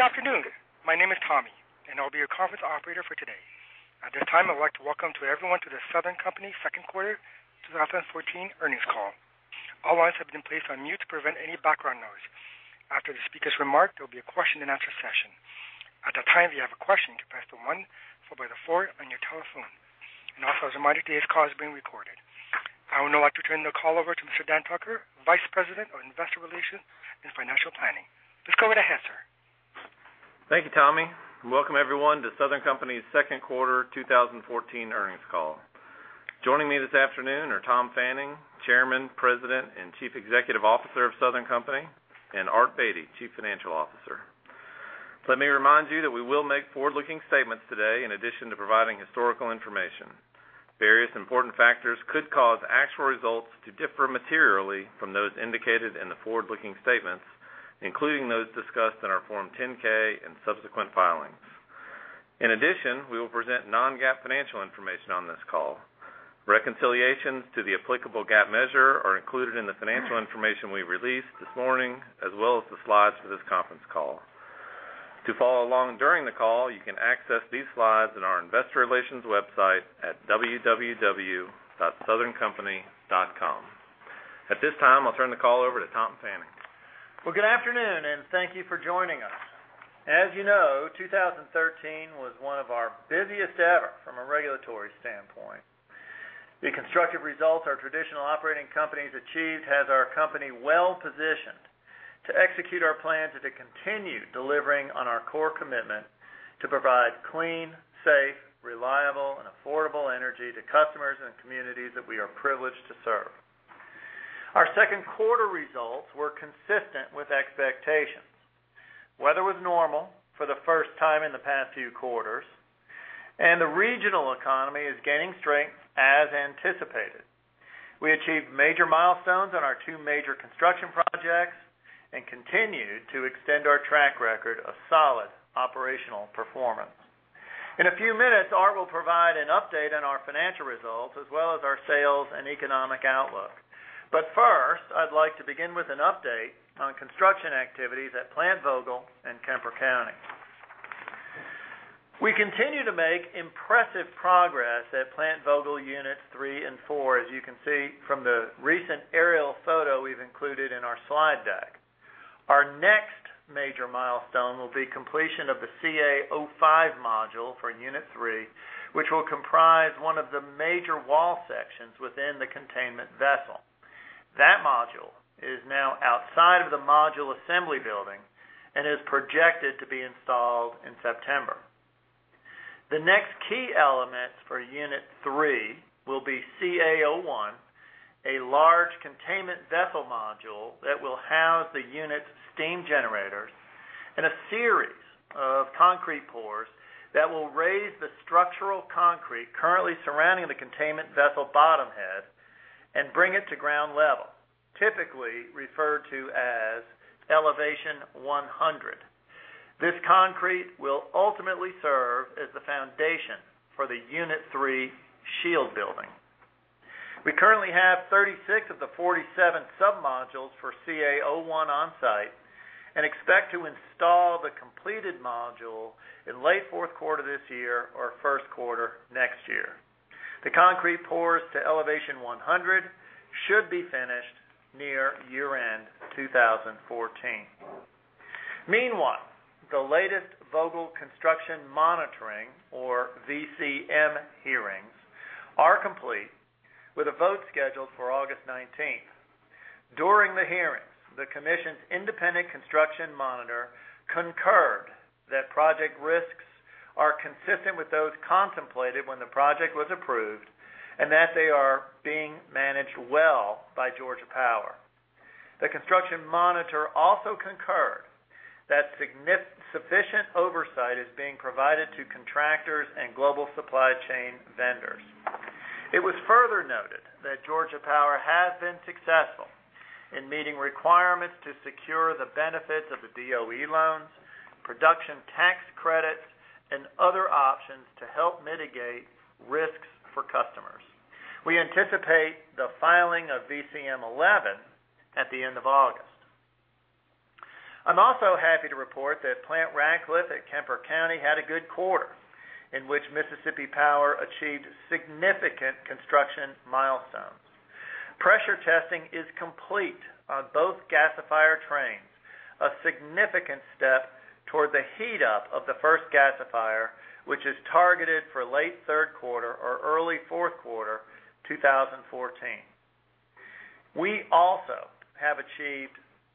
Good afternoon. My name is Tommy, and I will be your conference operator for today. At this time, I would like to welcome everyone to The Southern Company Second Quarter 2014 Earnings Call. All lines have been placed on mute to prevent any background noise. After the speakers remark, there will be a question and answer session. At that time, if you have a question, you can press the 1 followed by the 4 on your telephone. Also as a reminder, today's call is being recorded. I would now like to turn the call over to Mr. Dan Tucker, Vice President of Investor Relations and Financial Planning. Go right ahead, sir. Thank you, Tommy, and welcome everyone to Southern Company's second quarter 2014 earnings call. Joining me this afternoon are Tom Fanning, Chairman, President, and Chief Executive Officer of Southern Company, and Art Beattie, Chief Financial Officer. Let me remind you that we will make forward-looking statements today in addition to providing historical information. Various important factors could cause actual results to differ materially from those indicated in the forward-looking statements, including those discussed in our Form 10-K and subsequent filings. In addition, we will present non-GAAP financial information on this call. Reconciliations to the applicable GAAP measure are included in the financial information we released this morning, as well as the slides for this conference call. To follow along during the call, you can access these slides in our investor relations website at www.southerncompany.com. At this time, I will turn the call over to Tom Fanning. Well, good afternoon, and thank you for joining us. As you know, 2013 was one of our busiest ever from a regulatory standpoint. The constructive results our traditional operating companies achieved has our company well-positioned to execute our plans and to continue delivering on our core commitment to provide clean, safe, reliable, and affordable energy to customers and communities that we are privileged to serve. Our second quarter results were consistent with expectations. Weather was normal for the first time in the past few quarters, and the regional economy is gaining strength as anticipated. We achieved major milestones on our two major construction projects and continued to extend our track record of solid operational performance. In a few minutes, Art will provide an update on our financial results as well as our sales and economic outlook. First, I would like to begin with an update on construction activities at Plant Vogtle in Kemper County. We continue to make impressive progress at Plant Vogtle units 3 and 4, as you can see from the recent aerial photo we have included in our slide deck. Our next major milestone will be completion of the CA-05 module for unit 3, which will comprise one of the major wall sections within the containment vessel. That module is now outside of the module assembly building and is projected to be installed in September. The next key elements for unit 3 will be CA-01, a large containment vessel module that will house the unit's steam generators, and a series of concrete pours that will raise the structural concrete currently surrounding the containment vessel bottom head and bring it to ground level, typically referred to as elevation 100. This concrete will ultimately serve as the foundation for the unit three shield building. We currently have 36 of the 47 sub-modules for CA-01 on-site and expect to install the completed module in late fourth quarter this year or first quarter next year. The concrete pours to elevation 100 should be finished near year-end 2014. Meanwhile, the latest Vogtle Construction Monitoring, or VCM hearings, are complete with a vote scheduled for August 19th. During the hearings, the commission's independent construction monitor concurred that project risks are consistent with those contemplated when the project was approved and that they are being managed well by Georgia Power. The construction monitor also concurred that sufficient oversight is being provided to contractors and global supply chain vendors. It was further noted that Georgia Power has been successful in meeting requirements to secure the benefits of the DOE loans, production tax credits, and other options to help mitigate risks for customers. We anticipate the filing of VCM 11 at the end of August. I'm also happy to report that Plant Ratcliffe at Kemper County had a good quarter in which Mississippi Power achieved significant construction milestones. Pressure testing is complete on both gasifier trains, a significant step toward the heat-up of the first gasifier, which is targeted for late third quarter or early fourth quarter 2014. We also have achieved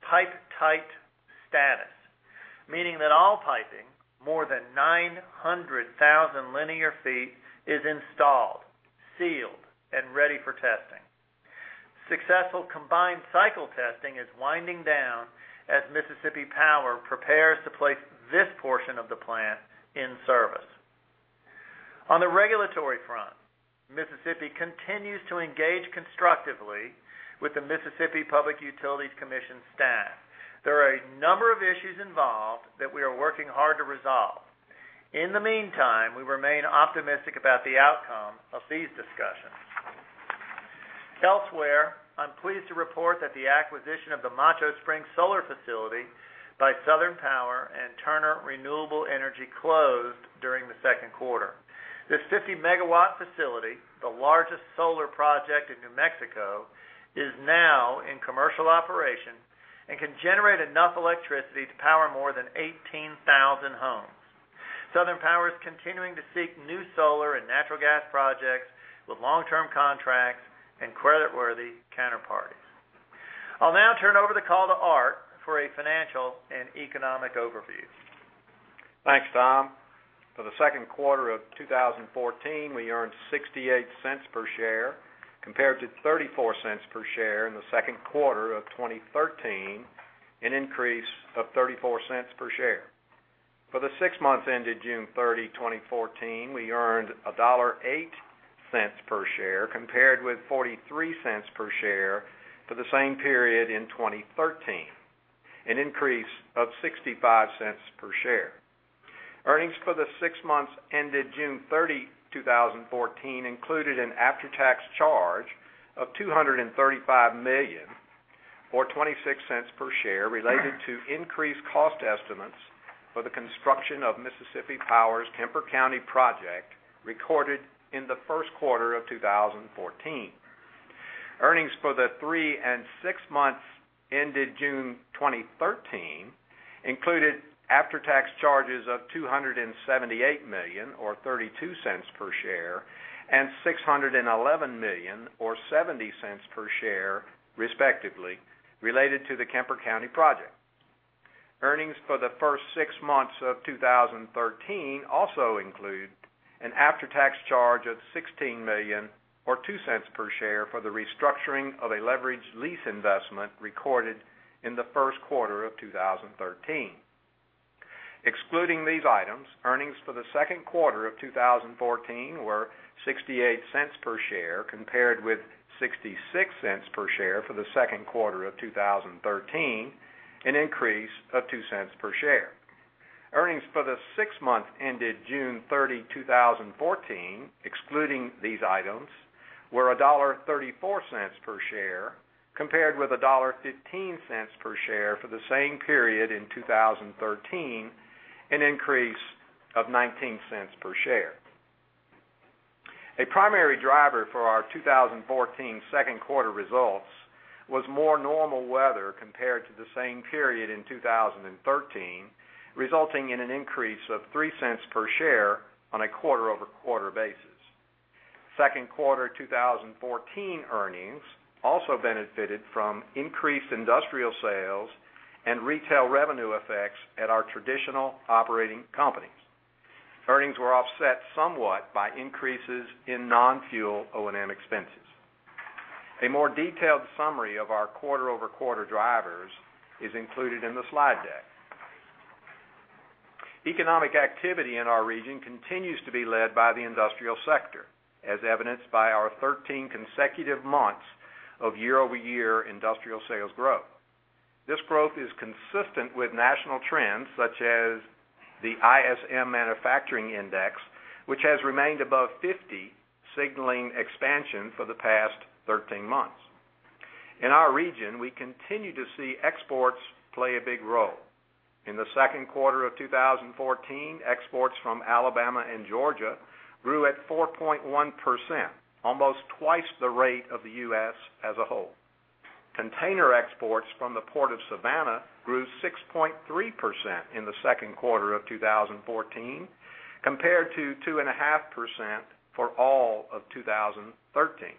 pipe-tight status, meaning that all piping, more than 900,000 linear feet, is installed, sealed, and ready for testing. Successful combined cycle testing is winding down as Mississippi Power prepares to place this portion of the plant in service. On the regulatory front, Mississippi continues to engage constructively with the Mississippi Public Service Commission staff. There are a number of issues involved that we are working hard to resolve. In the meantime, we remain optimistic about the outcome of these discussions. Elsewhere, I'm pleased to report that the acquisition of the Macho Springs Solar facility by Southern Power and Turner Renewable Energy closed during the second quarter. This 50-megawatt facility, the largest solar project in New Mexico, is now in commercial operation and can generate enough electricity to power more than 18,000 homes. Southern Power is continuing to seek new solar and natural gas projects with long-term contracts and creditworthy counterparties. I'll now turn over the call to Art for a financial and economic overview. Thanks, Tom. For the second quarter of 2014, we earned $0.68 per share compared to $0.34 per share in the second quarter of 2013, an increase of $0.34 per share. For the six months ended June 30, 2014, we earned a $1.08 per share compared with $0.43 per share for the same period in 2013, an increase of $0.65 per share. Earnings for the six months ended June 30, 2014, included an after-tax charge of $235 million, or $0.26 per share, related to increased cost estimates for the construction of Mississippi Power's Kemper County project recorded in the first quarter of 2014. Earnings for the three and six months ended June 2013 included after-tax charges of $278 million, or $0.32 per share, and $611 million, or $0.70 per share respectively, related to the Kemper County project. Earnings for the first six months of 2013 also include an after-tax charge of $16 million, or $0.02 per share, for the restructuring of a leveraged lease investment recorded in the first quarter of 2013. Excluding these items, earnings for the second quarter of 2014 were $0.68 per share compared with $0.66 per share for the second quarter of 2013, an increase of $0.02 per share. Earnings for the six months ended June 30, 2014, excluding these items, were $1.34 per share compared with $1.15 per share for the same period in 2013, an increase of $0.19 per share. A primary driver for our 2014 second quarter results was more normal weather compared to the same period in 2013, resulting in an increase of $0.03 per share on a quarter-over-quarter basis. Second quarter 2014 earnings also benefited from increased industrial sales and retail revenue effects at our traditional operating companies. Earnings were offset somewhat by increases in non-fuel O&M expenses. A more detailed summary of our quarter-over-quarter drivers is included in the slide deck. Economic activity in our region continues to be led by the industrial sector, as evidenced by our 13 consecutive months of year-over-year industrial sales growth. This growth is consistent with national trends such as the ISM Manufacturing Index, which has remained above 50, signaling expansion for the past 13 months. In our region, we continue to see exports play a big role. In the second quarter of 2014, exports from Alabama and Georgia grew at 4.1%, almost twice the rate of the U.S. as a whole. Container exports from the Port of Savannah grew 6.3% in the second quarter of 2014 compared to 2.5% for all of 2013.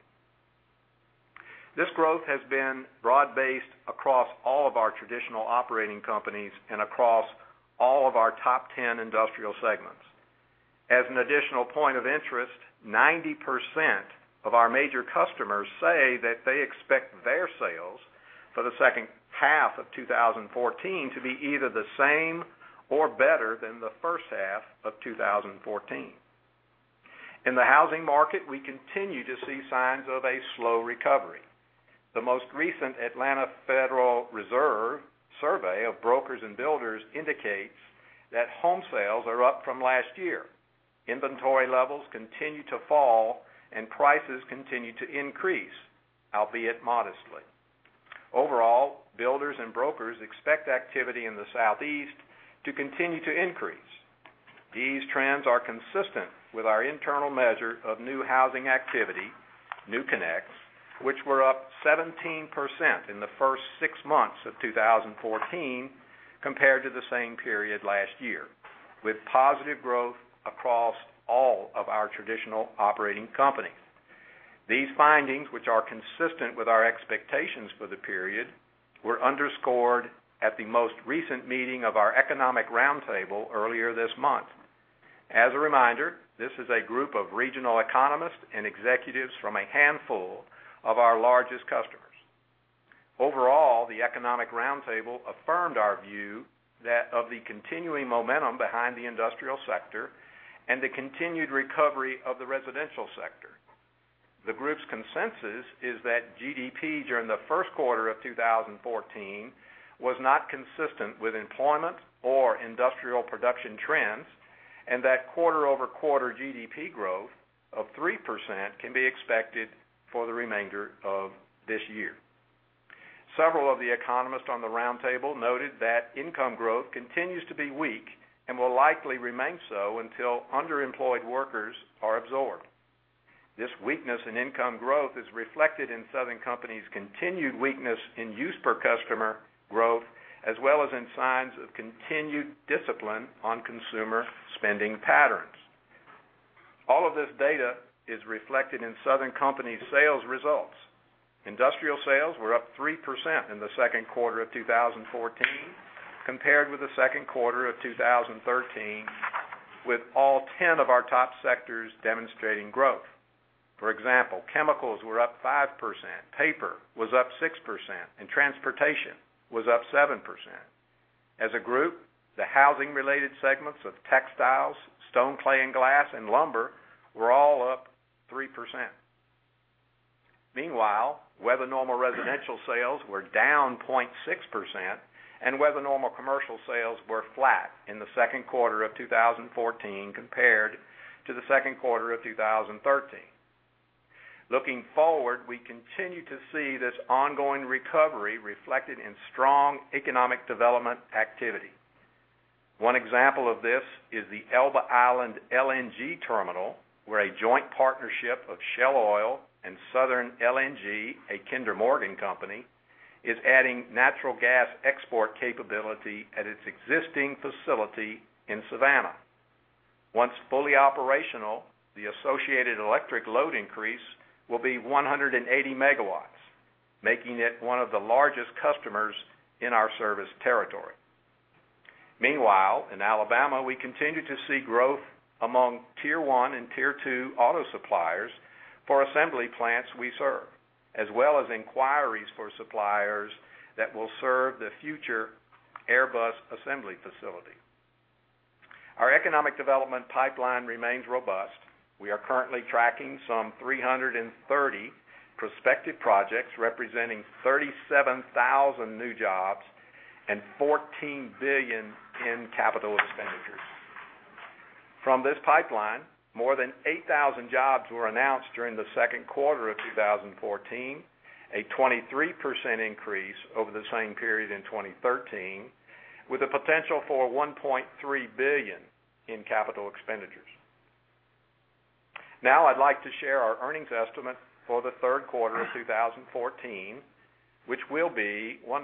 This growth has been broad-based across all of our traditional operating companies and across all of our top 10 industrial segments. As an additional point of interest, 90% of our major customers say that they expect their sales for the second half of 2014 to be either the same or better than the first half of 2014. In the housing market, we continue to see signs of a slow recovery. The most recent Atlanta Federal Reserve survey of brokers and builders indicates that home sales are up from last year. Inventory levels continue to fall, and prices continue to increase, albeit modestly. Overall, builders and brokers expect activity in the Southeast to continue to increase. These trends are consistent with our internal measure of new housing activity, new connects, which were up 17% in the first six months of 2014 compared to the same period last year, with positive growth across all of our traditional operating companies. These findings, which are consistent with our expectations for the period, were underscored at the most recent meeting of our economic roundtable earlier this month. As a reminder, this is a group of regional economists and executives from a handful of our largest customers. Overall, the economic roundtable affirmed our view that of the continuing momentum behind the industrial sector and the continued recovery of the residential sector. The group's consensus is that GDP during the first quarter of 2014 was not consistent with employment or industrial production trends. That quarter-over-quarter GDP growth of 3% can be expected for the remainder of this year. Several of the economists on the roundtable noted that income growth continues to be weak and will likely remain so until underemployed workers are absorbed. This weakness in income growth is reflected in Southern Company's continued weakness in use per customer growth, as well as in signs of continued discipline on consumer spending patterns. All of this data is reflected in Southern Company's sales results. Industrial sales were up 3% in the second quarter of 2014 compared with the second quarter of 2013, with all 10 of our top sectors demonstrating growth. For example, chemicals were up 5%, paper was up 6%, and transportation was up 7%. As a group, the housing-related segments of textiles, stone, clay and glass, and lumber were all up 3%. Meanwhile, weather normal residential sales were down 0.6%, and weather normal commercial sales were flat in the second quarter of 2014 compared to the second quarter of 2013. Looking forward, we continue to see this ongoing recovery reflected in strong economic development activity. One example of this is the Elba Island LNG terminal, where a joint partnership of Shell Oil and Southern LNG, a Kinder Morgan company, is adding natural gas export capability at its existing facility in Savannah. Once fully operational, the associated electric load increase will be 180 megawatts, making it one of the largest customers in our service territory. Meanwhile, in Alabama, we continue to see growth among tier 1 and tier 2 auto suppliers for assembly plants we serve, as well as inquiries for suppliers that will serve the future Airbus assembly facility. Our economic development pipeline remains robust. We are currently tracking some 330 prospective projects, representing 37,000 new jobs and $14 billion in capital expenditures. From this pipeline, more than 8,000 jobs were announced during the second quarter of 2014, a 23% increase over the same period in 2013, with the potential for $1.3 billion in capital expenditures. I'd like to share our earnings estimate for the third quarter of 2014, which will be $1.06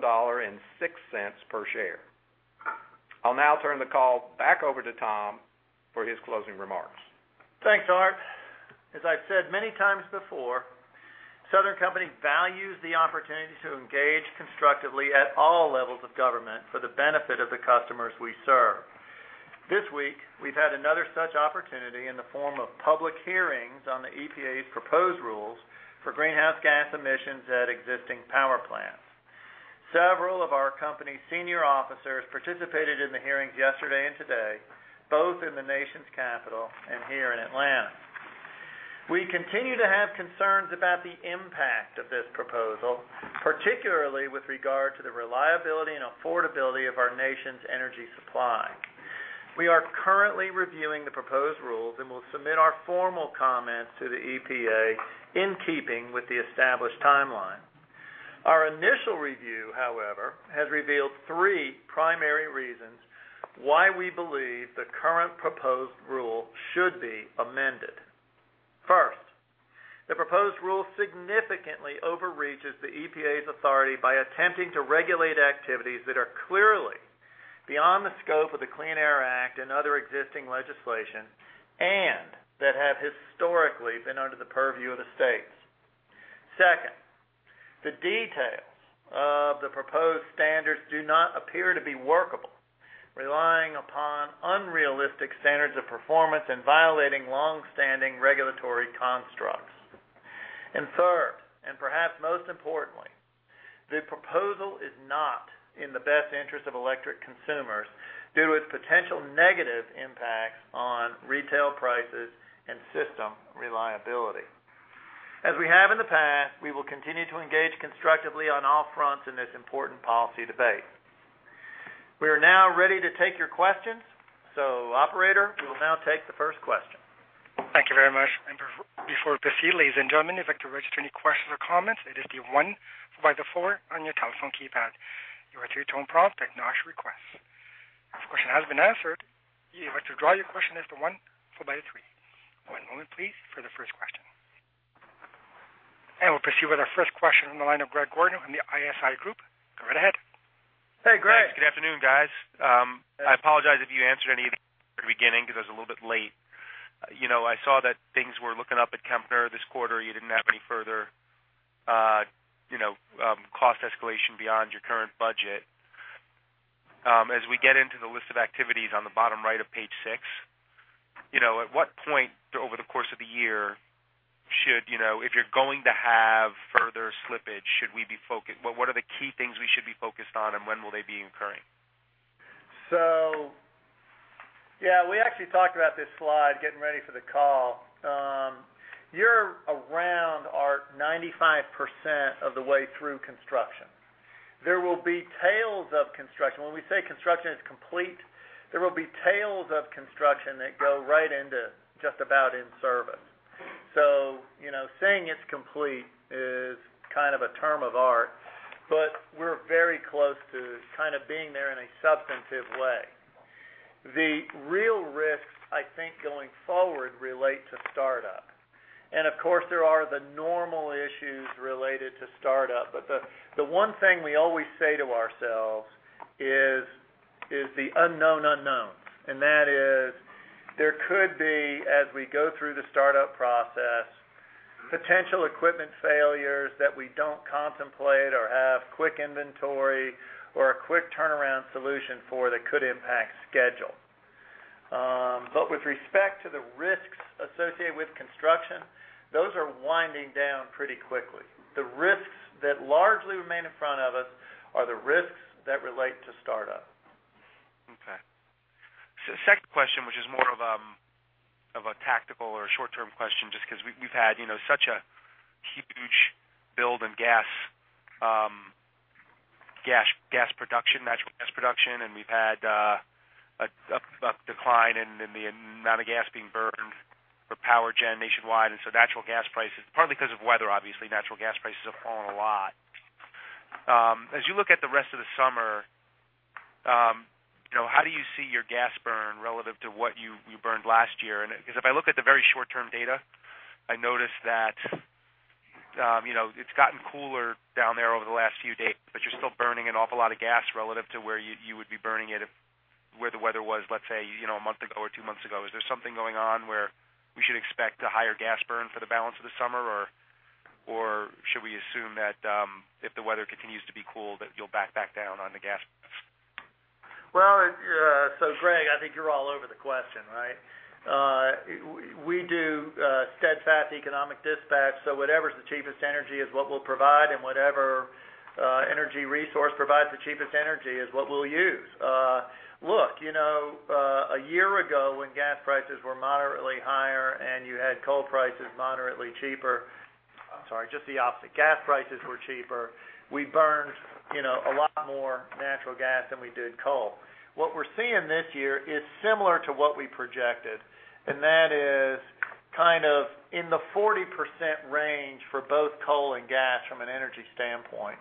per share. I'll now turn the call back over to Tom for his closing remarks. Thanks, Art. As I've said many times before, Southern Company values the opportunity to engage constructively at all levels of government for the benefit of the customers we serve. This week, we've had another such opportunity in the form of public hearings on the EPA's proposed rules for greenhouse gas emissions at existing power plants. Several of our company senior officers participated in the hearings yesterday and today, both in the nation's capital and here in Atlanta. We continue to have concerns about the impact of this proposal, particularly with regard to the reliability and affordability of our nation's energy supply. We are currently reviewing the proposed rules and will submit our formal comments to the EPA in keeping with the established timeline. Our initial review, however, has revealed three primary reasons why we believe the current proposed rule should be amended. First, the proposed rule significantly overreaches the EPA's authority by attempting to regulate activities that are clearly beyond the scope of the Clean Air Act and other existing legislation, and that have historically been under the purview of the states. Second, the details of the proposed standards do not appear to be workable, relying upon unrealistic standards of performance and violating longstanding regulatory constructs. Third, and perhaps most importantly, the proposal is not in the best interest of electric consumers due to its potential negative impacts on retail prices and system reliability. As we have in the past, we will continue to engage constructively on all fronts in this important policy debate. We are now ready to take your questions. Operator, we will now take the first question. Thank you very much. Before proceed, ladies and gentlemen, if you'd like to register any questions or comments, it is the one followed by the four on your telephone keypad. You will hear a two-tone prompt acknowledging our request. If your question has been answered, you're invited to withdraw your question, press one followed by three. One moment please for the first question. We'll proceed with our first question on the line of Greg Gordon from the ISI Group. Go right ahead. Hey, Greg. Good afternoon, guys. I apologize if you answered any of the beginning because I was a little bit late. I saw that things were looking up at Kemper this quarter. You didn't have any further cost escalation beyond your current budget. As we get into the list of activities on the bottom right of page six, at what point over the course of the year should, if you're going to have further slippage, what are the key things we should be focused on, and when will they be occurring? Yeah, we actually talked about this slide getting ready for the call. 95% of the way through construction. There will be tails of construction. When we say construction is complete, there will be tails of construction that go right into just about in service. Saying it's complete is kind of a term of ours. We're very close to being there in a substantive way. The real risks, I think, going forward relate to startup. Of course, there are the normal issues related to startup. The one thing we always say to ourselves is the unknown unknowns. That is, there could be, as we go through the startup process, potential equipment failures that we don't contemplate or have quick inventory or a quick turnaround solution for that could impact schedule. With respect to the risks associated with construction, those are winding down pretty quickly. The risks that largely remain in front of us are the risks that relate to startup. Okay. Second question, which is more of a tactical or short-term question, just because we've had such a huge build in gas production, natural gas production, and we've had a decline in the amount of gas being burned for power gen nationwide. Natural gas prices, partly because of weather, obviously, natural gas prices have fallen a lot. As you look at the rest of the summer, how do you see your gas burn relative to what you burned last year? Because if I look at the very short-term data, I notice that it's gotten cooler down there over the last few days, but you're still burning an awful lot of gas relative to where you would be burning it if the weather was, let's say, a month ago or two months ago. Is there something going on where we should expect a higher gas burn for the balance of the summer? Or should we assume that if the weather continues to be cool, that you'll back down on the gas? Greg, I think you're all over the question, right? We do steadfast economic dispatch, whatever's the cheapest energy is what we'll provide, and whatever energy resource provides the cheapest energy is what we'll use. Look, a year ago, when gas prices were moderately higher and you had coal prices moderately cheaper. I'm sorry, just the opposite. Gas prices were cheaper. We burned a lot more natural gas than we did coal. What we're seeing this year is similar to what we projected, in the 40% range for both coal and gas from an energy standpoint.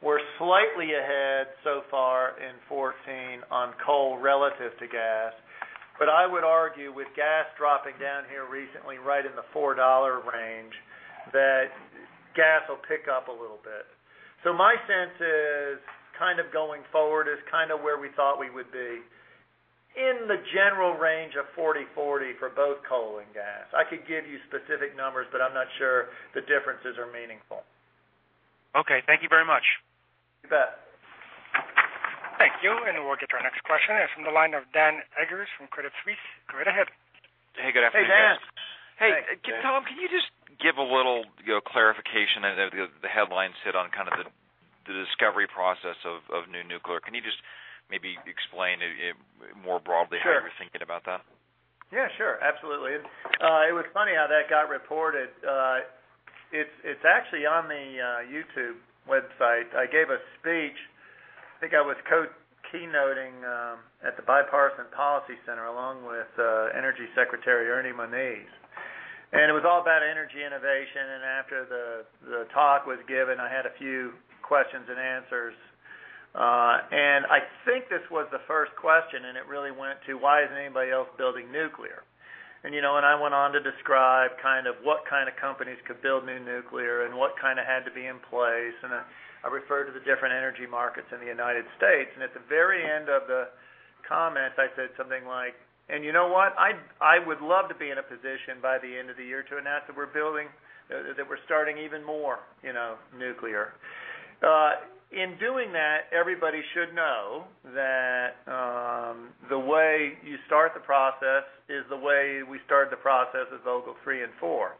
We're slightly ahead so far in 2014 on coal relative to gas. I would argue with gas dropping down here recently, right in the $4 range, that gas will pick up a little bit. My sense is going forward is where we thought we would be, in the general range of 40/40 for both coal and gas. I could give you specific numbers, I'm not sure the differences are meaningful. Thank you very much. You bet. Thank you. We'll get to our next question. It is from the line of Dan Eggers from Credit Suisse. Go right ahead. Hey, good afternoon, guys. Hey, Dan. Hey. Hi. Tom, can you just give a little clarification? The headlines hit on kind of the discovery process of new nuclear. Can you just maybe explain it more broadly? Sure how you were thinking about that? Yeah, sure. Absolutely. It was funny how that got reported. It's actually on the YouTube website. I gave a speech, I think I was keynoting at the Bipartisan Policy Center, along with Energy Secretary Ernest Moniz. It was all about energy innovation. After the talk was given, I had a few questions and answers. I think this was the first question, and it really went to, why isn't anybody else building nuclear? I went on to describe what kind of companies could build new nuclear and what had to be in place. I referred to the different energy markets in the United States. At the very end of the comments, I said something like, "You know what? I would love to be in a position by the end of the year to announce that we're starting even more nuclear." In doing that, everybody should know that the way you start the process is the way we started the process with Vogtle 3 and 4.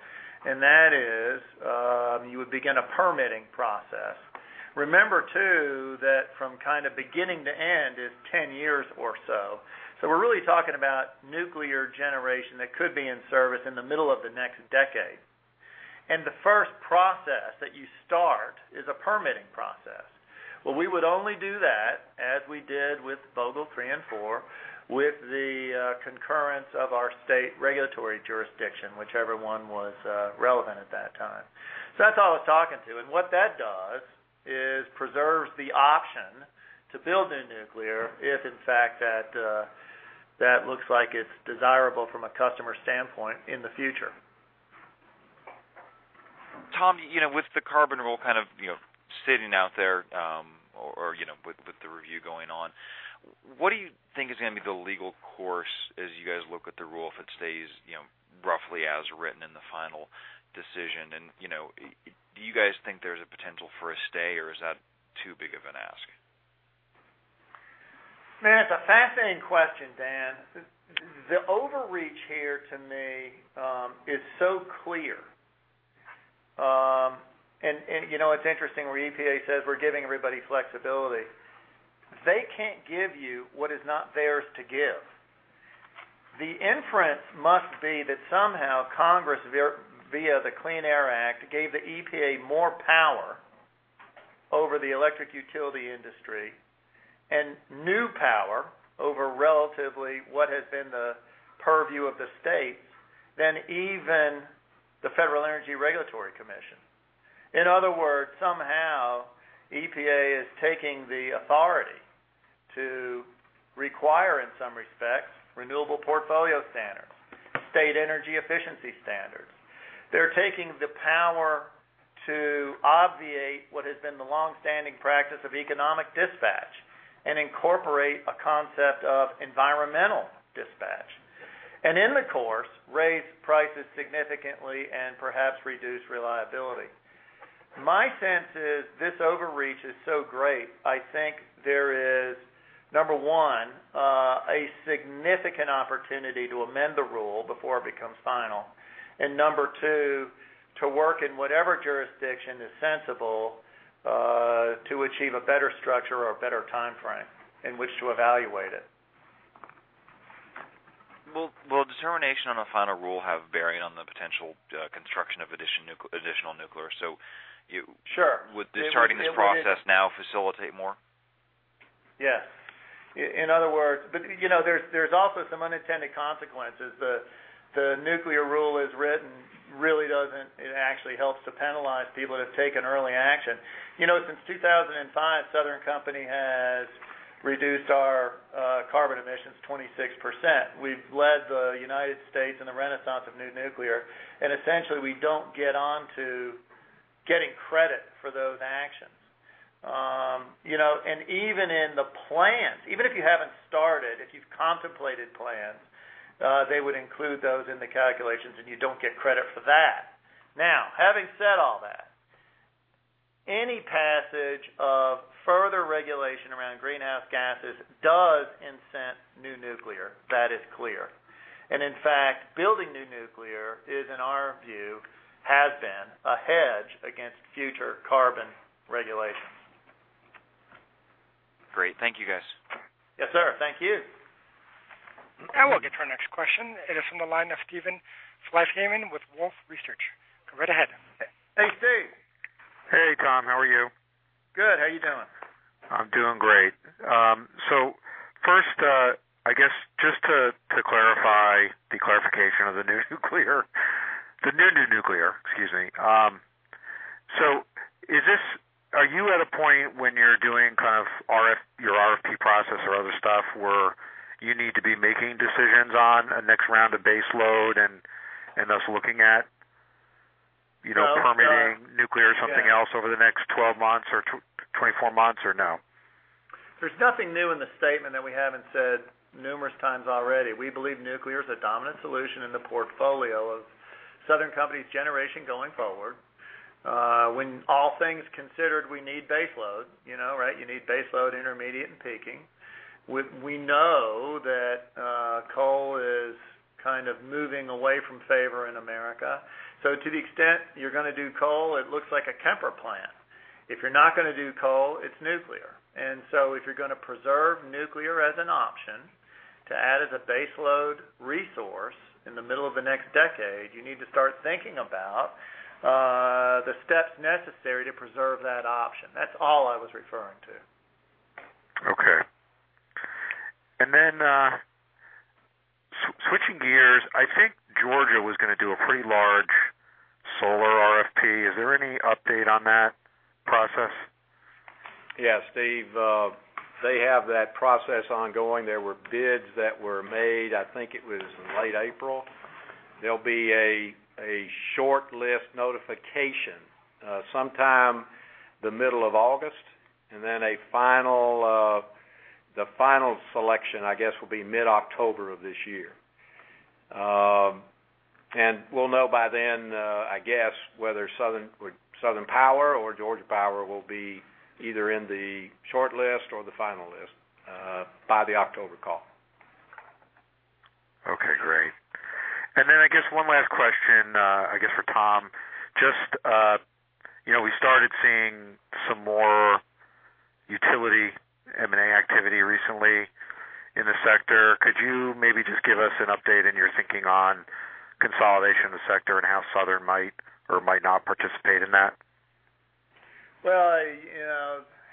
That is, you would begin a permitting process. Remember, too, that from kind of beginning to end is 10 years or so. We're really talking about nuclear generation that could be in service in the middle of the next decade. The first process that you start is a permitting process. Well, we would only do that, as we did with Vogtle 3 and 4, with the concurrence of our state regulatory jurisdiction, whichever one was relevant at that time. That's all I was talking to. What that does is preserves the option to build new nuclear if, in fact, that looks like it's desirable from a customer standpoint in the future. Tom, with the carbon rule kind of sitting out there, or with the review going on, what do you think is going to be the legal course as you guys look at the rule if it stays roughly as written in the final decision? Do you guys think there's a potential for a stay, or is that too big of an ask? Man, it's a fascinating question, Dan. The overreach here to me is so clear. It's interesting where EPA says we're giving everybody flexibility. They can't give you what is not theirs to give. The inference must be that somehow Congress, via the Clean Air Act, gave the EPA more power over the electric utility industry and new power over relatively what has been the purview of the states than even the Federal Energy Regulatory Commission. In other words, somehow EPA is taking the authority to require, in some respects, renewable portfolio standards, state energy efficiency standards. They're taking the power to obviate what has been the longstanding practice of economic dispatch and incorporate a concept of environmental dispatch. In the course, raise prices significantly and perhaps reduce reliability. My sense is this overreach is so great, I think there is, number one, a significant opportunity to amend the rule before it becomes final. Number two, to work in whatever jurisdiction is sensible, to achieve a better structure or a better timeframe in which to evaluate it. Will determination on a final rule have bearing on the potential construction of additional nuclear? Sure. Would starting this process now facilitate more? Yes. There's also some unintended consequences. The nuclear rule as written really doesn't, it actually helps to penalize people that have taken early action. Since 2005, Southern Company has reduced our carbon emissions 26%. We've led the United States in the renaissance of new nuclear, essentially we don't get onto getting credit for those actions. Even in the plans, even if you haven't started, if you've contemplated plans, they would include those in the calculations, and you don't get credit for that. Having said all that, any passage of further regulation around greenhouse gases does incent new nuclear. That is clear. In fact, building new nuclear is, in our view, has been a hedge against future carbon regulations. Great. Thank you, guys. Yes, sir. Thank you. We'll get to our next question. It is from the line of Steven Fleishman with Wolfe Research. Go right ahead. Hey, Steve. Hey, Tom. How are you? Good. How are you doing? I'm doing great. First, I guess just to clarify the clarification of the new nuclear. The new nuclear, excuse me. Are you at a point when you're doing kind of your RFP process or other stuff where you need to be making decisions on a next round of base load and thus looking at- No permitting nuclear or something else over the next 12 months or 24 months, or no? There's nothing new in the statement that we haven't said numerous times already. We believe nuclear is a dominant solution in the portfolio of Southern Company's generation going forward. When all things considered, we need base load. You need base load, intermediate, and peaking. We know that coal is kind of moving away from favor in America. To the extent you're going to do coal, it looks like a Kemper plant. If you're not going to do coal, it's nuclear. If you're going to preserve nuclear as an option to add as a base load resource in the middle of the next decade, you need to start thinking about the steps necessary to preserve that option. That's all I was referring to. Okay. Then, switching gears, I think Georgia was going to do a pretty large solar RFP. Is there any update on that process? Yes, Steve, they have that process ongoing. There were bids that were made, I think it was in late April. There'll be a short list notification sometime the middle of August, then the final selection, I guess, will be mid-October of this year. We'll know by then, I guess, whether Southern Power or Georgia Power will be either in the short list or the final list by the October call. Okay, great. Then I guess one last question, I guess for Tom. Just, we started seeing some more utility M&A activity recently in the sector. Could you maybe just give us an update in your thinking on consolidation in the sector and how Southern might or might not participate in that? Well,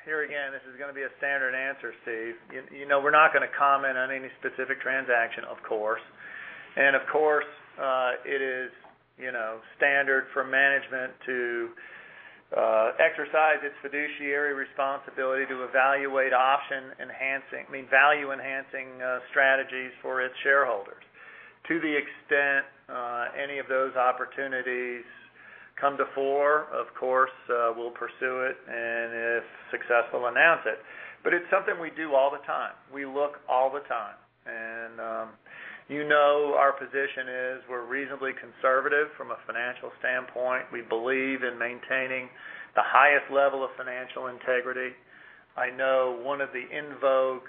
here again, this is going to be a standard answer, Steve. We're not going to comment on any specific transaction, of course. Of course, it's standard for management to exercise its fiduciary responsibility to evaluate option-enhancing, I mean value-enhancing strategies for its shareholders. To the extent any of those opportunities come to fore, of course, we'll pursue it, and if successful, announce it. It's something we do all the time. We look all the time. You know our position is we're reasonably conservative from a financial standpoint. We believe in maintaining the highest level of financial integrity. I know one of the in vogue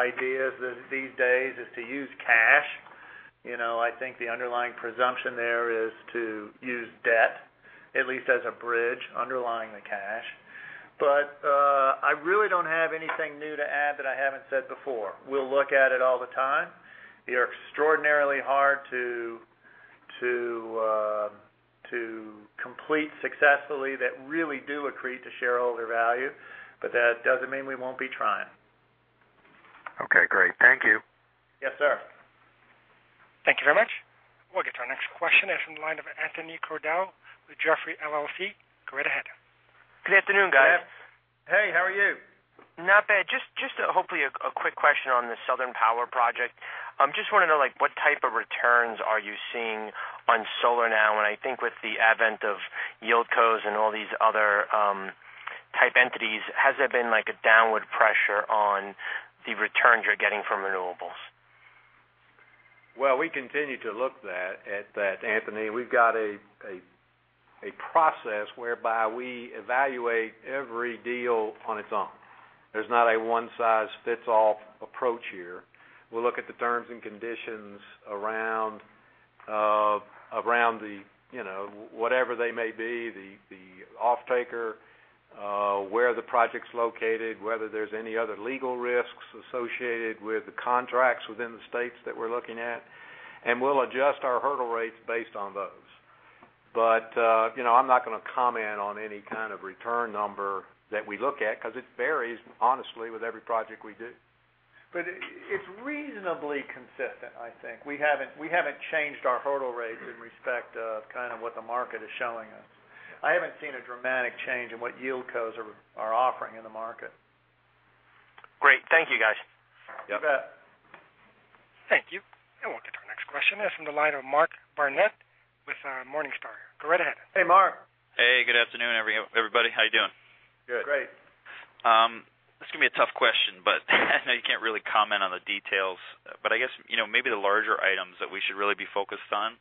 ideas these days is to use cash. I think the underlying presumption there is to use debt, at least as a bridge underlying the cash. I really don't have anything new to add that I haven't said before. We'll look at it all the time. They're extraordinarily hard to complete successfully that really do accrete to shareholder value, that doesn't mean we won't be trying. Okay, great. Thank you. Yes, sir. Thank you very much. We'll get to our next question. It's in the line of Anthony Crowdell with Jefferies LLC. Go right ahead. Good afternoon, guys. Hey, how are you? Not bad. Just hopefully a quick question on the Southern Power project. Just want to know what type of returns are you seeing on solar now? I think with the advent of yieldcos and all these other type entities, has there been a downward pressure on the returns you're getting from renewables? Well, we continue to look at that, Anthony. We've got a process whereby we evaluate every deal on its own. There's not a one-size-fits-all approach here. We look at the terms and conditions around whatever they may be, the off-taker, where the project's located, whether there's any other legal risks associated with the contracts within the states that we're looking at, and we'll adjust our hurdle rates based on those. I'm not going to comment on any kind of return number that we look at because it varies, honestly, with every project we do. It's reasonably consistent, I think. We haven't changed our hurdle rates in respect of what the market is showing us. I haven't seen a dramatic change in what yieldcos are offering in the market. Great. Thank you, guys. You bet. Thank you. We'll get to our next question. It's from the line of Mark Barnett with Morningstar. Go right ahead. Hey, Mark. Hey, good afternoon, everybody. How you doing? Good. Great. This is going to be a tough question, but I know you can't really comment on the details, but I guess maybe the larger items that we should really be focused on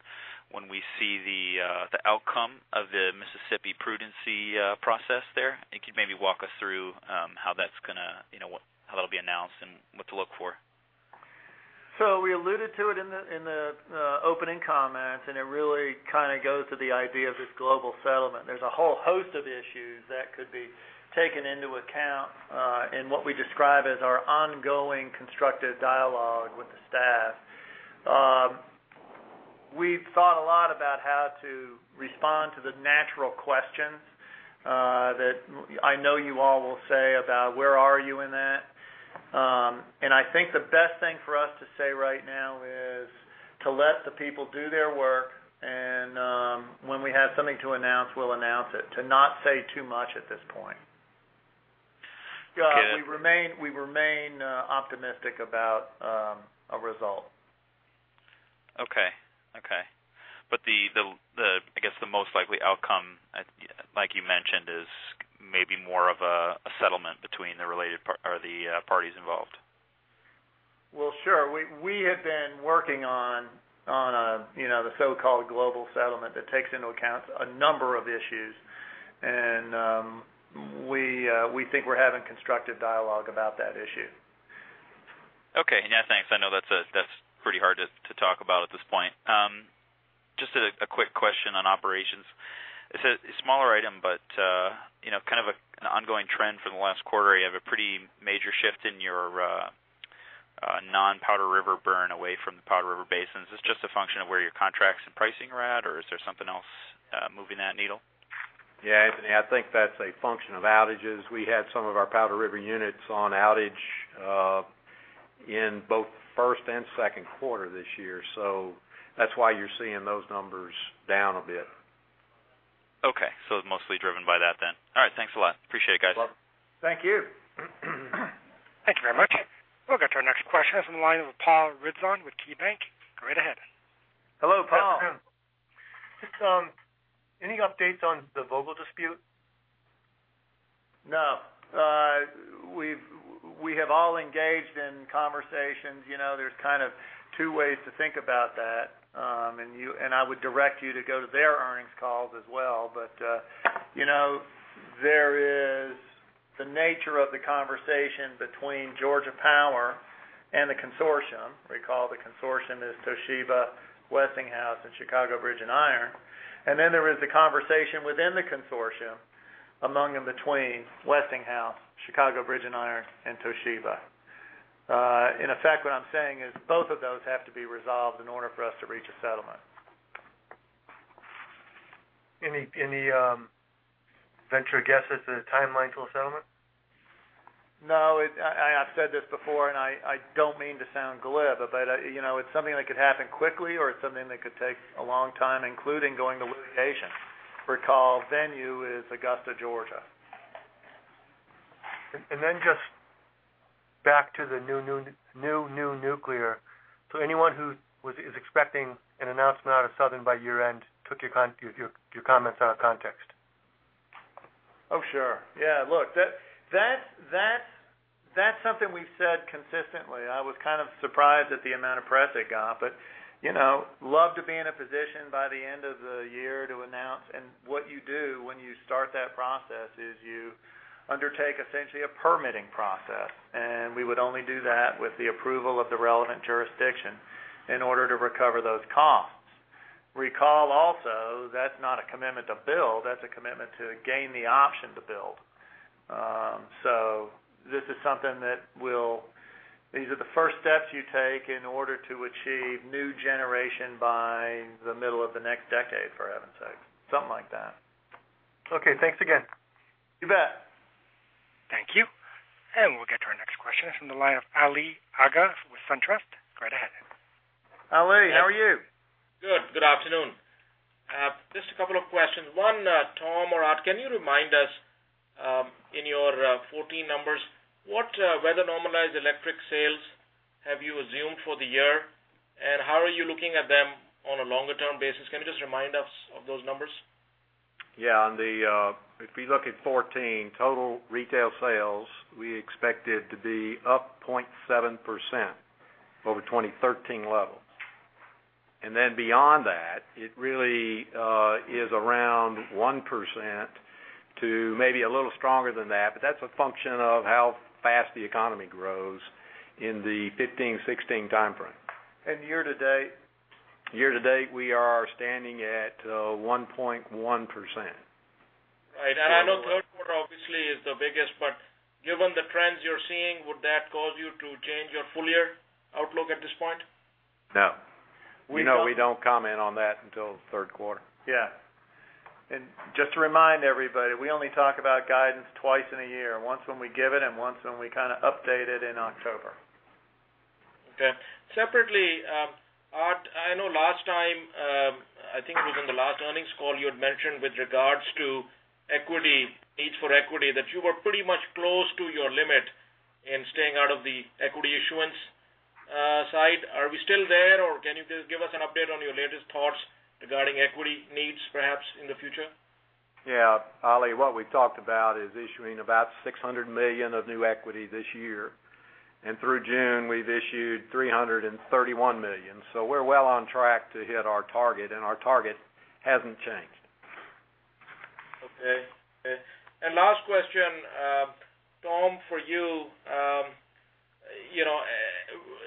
when we see the outcome of the Mississippi Prudency process there. Could you maybe walk us through how that'll be announced and what to look for? We alluded to it in the opening comments, and it really goes to the idea of this global settlement. There's a whole host of issues that could be taken into account in what we describe as our ongoing constructive dialogue with the staff. We've thought a lot about how to respond to the natural questions that I know you all will say about where are you in that. I think the best thing for us to say right now is to let the people do their work and when we have something to announce, we'll announce it. To not say too much at this point. Good. We remain optimistic about a result. Okay. I guess the most likely outcome, like you mentioned, is maybe more of a settlement between the parties involved. Sure. We have been working on the so-called global settlement that takes into account a number of issues, and we think we're having constructive dialogue about that issue. Okay. Yeah, thanks. I know that's pretty hard to talk about at this point. Just a quick question on operations. It's a smaller item, but kind of an ongoing trend for the last quarter. You have a pretty major shift in your non-Powder River burn away from the Powder River basin. Is this just a function of where your contracts and pricing are at, or is there something else moving that needle? Yeah, Anthony, I think that's a function of outages. We had some of our Powder River units on outage in both first and second quarter this year. That's why you're seeing those numbers down a bit. Okay. It's mostly driven by that then. All right. Thanks a lot. Appreciate it, guys. Welcome. Thank you. Thank you very much. We'll get to our next question. It's on the line with Paul Ridzon with KeyBanc. Go right ahead. Hello, Paul. Just any updates on the Vogtle dispute? No. We have all engaged in conversations. There's kind of two ways to think about that. I would direct you to go to their earnings calls as well. There is the nature of the conversation between Georgia Power and the consortium. Recall the consortium is Toshiba, Westinghouse, and Chicago Bridge & Iron. Then there is the conversation within the consortium among and between Westinghouse, Chicago Bridge & Iron, and Toshiba. In effect, what I'm saying is both of those have to be resolved in order for us to reach a settlement. Any venture guess as to the timeline to a settlement? No. I've said this before, I don't mean to sound glib, it's something that could happen quickly or it's something that could take a long time, including going to litigation. Recall venue is Augusta, Georgia. Just back to the new nuclear. Anyone who is expecting an announcement out of Southern by year-end took your comments out of context? Oh, sure. Yeah, look, that's something we've said consistently. I was kind of surprised at the amount of press it got, but love to be in a position by the end of the year to announce. What you do when you start that process is you undertake essentially a permitting process. We would only do that with the approval of the relevant jurisdiction in order to recover those costs. Recall also, that's not a commitment to build, that's a commitment to gain the option to build. These are the first steps you take in order to achieve new generation by the middle of the next decade, for heaven's sakes. Something like that. Okay, thanks again. You bet. Thank you. We'll get to our next question from the line of Ali Agha with SunTrust. Go right ahead. Ali, how are you? Good. Good afternoon. Just a couple of questions. One, Tom or Art, can you remind us, in your 2014 numbers, what weather-normalized electric sales have you assumed for the year, and how are you looking at them on a longer-term basis? Can you just remind us of those numbers? Yeah. If we look at 2014 total retail sales, we expect it to be up 0.7% over 2013 levels. Then beyond that, it really is around 1% to maybe a little stronger than that. That's a function of how fast the economy grows in the 2015, 2016 timeframe. Year-to-date? Year-to-date, we are standing at 1.1%. Right. I know third quarter obviously is the biggest, but given the trends you're seeing, would that cause you to change your full year outlook at this point? No. We don't comment on that until third quarter. Yeah. Just to remind everybody, we only talk about guidance twice in a year. Once when we give it, and once when we kind of update it in October. Okay. Separately, Art, I know last time, I think it was in the last earnings call you had mentioned with regards to needs for equity, that you were pretty much close to your limit in staying out of the equity issuance side. Are we still there, or can you just give us an update on your latest thoughts regarding equity needs perhaps in the future? Yeah. Ali, what we talked about is issuing about $600 million of new equity this year, and through June we've issued $331 million. We're well on track to hit our target, and our target hasn't changed. Okay. Last question, Tom, for you.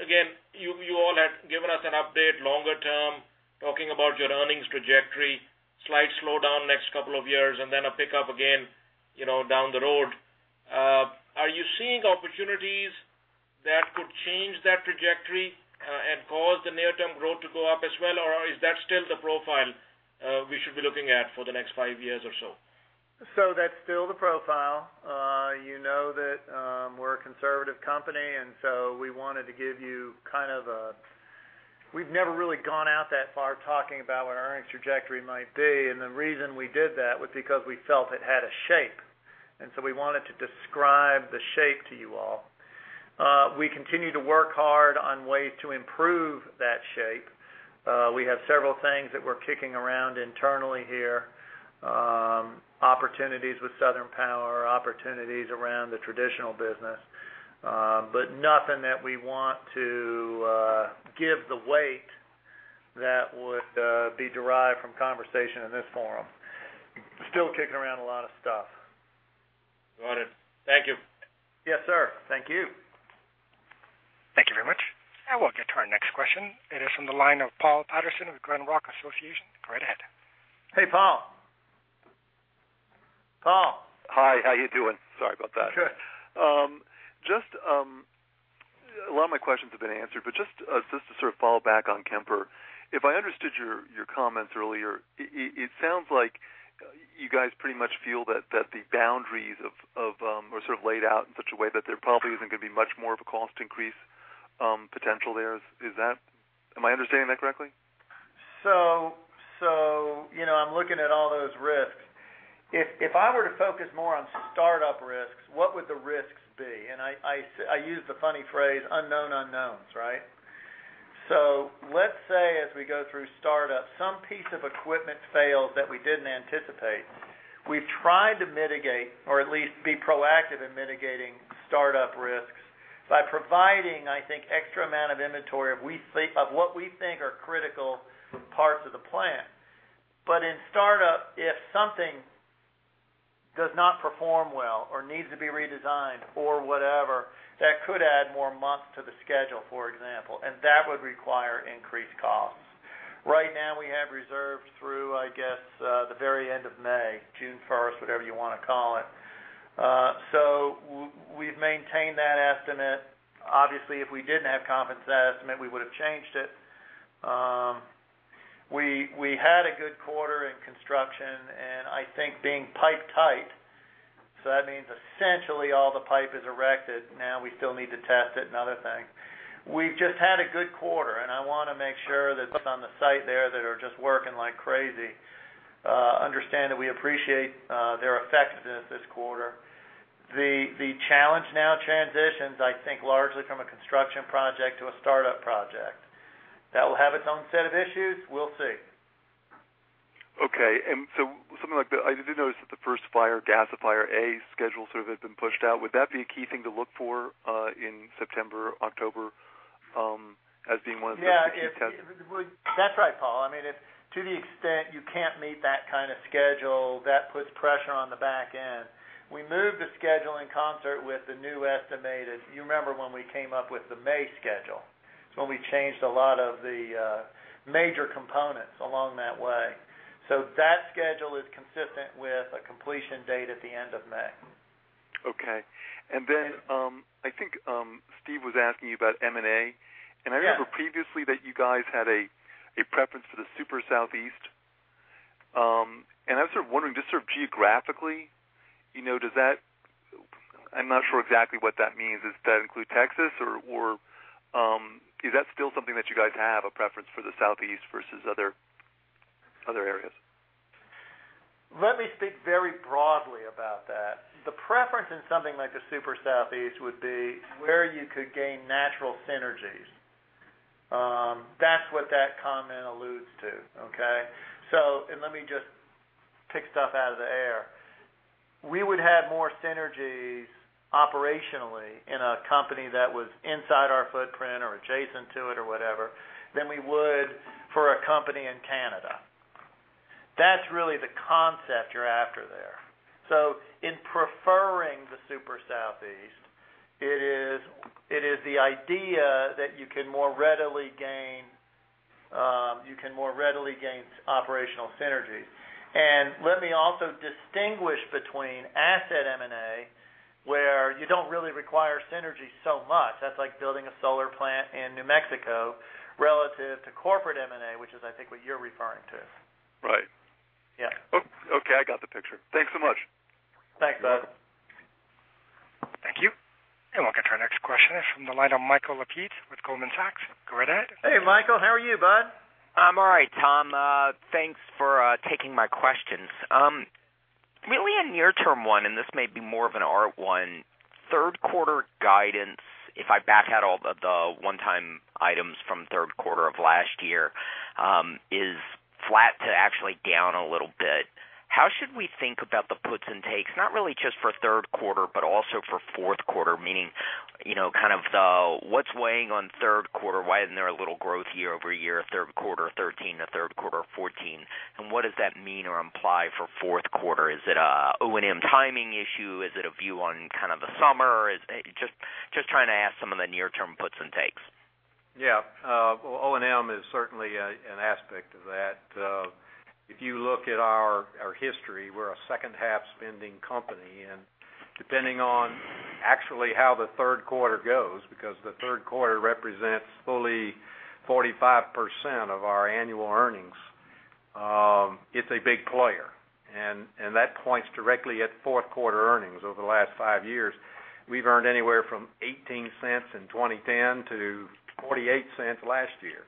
Again, you all had given us an update longer term talking about your earnings trajectory, slight slowdown next couple of years, and then a pickup again down the road. Are you seeing opportunities that could change that trajectory, and cause the near-term growth to go up as well, or is that still the profile we should be looking at for the next five years or so? That's still the profile. You know that we're a conservative company, we wanted to give you. We've never really gone out that far talking about what our earnings trajectory might be. The reason we did that was because we felt it had a shape, we wanted to describe the shape to you all. We continue to work hard on ways to improve that shape. We have several things that we're kicking around internally here. Opportunities with Southern Power, opportunities around the traditional business. Nothing that we want to give the weight that would be derived from conversation in this forum. Still kicking around a lot of stuff. Got it. Thank you. Yes, sir. Thank you. Thank you very much. We'll get to our next question. It is from the line of Paul Patterson with Glenrock Associates. Go right ahead. Hey, Paul. Paul? Hi. How you doing? Sorry about that. Good. Just a lot of my questions have been answered. Just to sort of fall back on Kemper. If I understood your comments earlier, it sounds like you guys pretty much feel that the boundaries are sort of laid out in such a way that there probably isn't going to be much more of a cost increase potential there. Am I understanding that correctly? I'm looking at all those risks. If I were to focus more on startup risks, what would the risks be? I use the funny phrase unknown unknowns, right? Let's say, as we go through startup, some piece of equipment fails that we didn't anticipate. We've tried to mitigate or at least be proactive in mitigating startup risks by providing, I think, extra amount of inventory of what we think are critical parts of the plant. In startup, if something does not perform well or needs to be redesigned or whatever, that could add more months to the schedule, for example. That would require increased costs. Right now, we have reserves through, I guess, the very end of May, June 1st, whatever you want to call it. We've maintained that estimate. Obviously, if we didn't have confidence in that estimate, we would've changed it. We had a good quarter in construction and I think being pipe tight, so that means essentially all the pipe is erected. Now we still need to test it and other things. We've just had a good quarter, and I want to make sure that folks on the site there that are just working like crazy understand that we appreciate their effectiveness this quarter. The challenge now transitions, I think, largely from a construction project to a startup project. That will have its own set of issues. We'll see. Okay. Something like that, I did notice that the first fire, gasifier A schedule sort of has been pushed out. Would that be a key thing to look for in September, October as being one of the things that could- Yeah. That's right, Paul. I mean, to the extent You can't meet that kind of schedule. That puts pressure on the back end. We moved the schedule in concert with the new estimated. You remember when we came up with the May schedule. It's when we changed a lot of the major components along that way. That schedule is consistent with a completion date at the end of May. Okay. Then, I think Steve was asking you about M&A. Yeah. I remember previously that you guys had a preference for the Super Southeast. I was sort of wondering, just sort of geographically, I'm not sure exactly what that means. Does that include Texas, or is that still something that you guys have a preference for the Southeast versus other areas? Let me speak very broadly about that. The preference in something like the Super Southeast would be where you could gain natural synergies. That's what that comment alludes to, okay? Let me just pick stuff out of the air. We would have more synergies operationally in a company that was inside our footprint or adjacent to it or whatever, than we would for a company in Canada. That's really the concept you're after there. In preferring the Super Southeast, it is the idea that you can more readily gain operational synergies. Let me also distinguish between asset M&A, where you don't really require synergy so much. That's like building a solar plant in New Mexico relative to corporate M&A, which is, I think, what you're referring to. Right. Yeah. Okay. I got the picture. Thanks so much. Thanks, Bud. Thank you. Welcome to our next question from the line of Michael Lapides with Goldman Sachs. Go right ahead. Hey, Michael. How are you, bud? I'm all right, Tom. Thanks for taking my questions. Really a near-term one, this may be more of an Art one. Third quarter guidance, if I back out all the one-time items from third quarter of last year, is flat to actually down a little bit. How should we think about the puts and takes, not really just for third quarter, but also for fourth quarter, meaning kind of what's weighing on third quarter? Why isn't there a little growth year-over-year, third quarter 2013 to third quarter 2014? What does that mean or imply for fourth quarter? Is it a O&M timing issue? Is it a view on kind of the summer? Just trying to ask some of the near-term puts and takes. Well, O&M is certainly an aspect of that. If you look at our history, we're a second half spending company. Depending on actually how the third quarter goes, because the third quarter represents fully 45% of our annual earnings, it's a big player. That points directly at fourth quarter earnings over the last five years. We've earned anywhere from $0.18 in 2010 to $0.48 last year.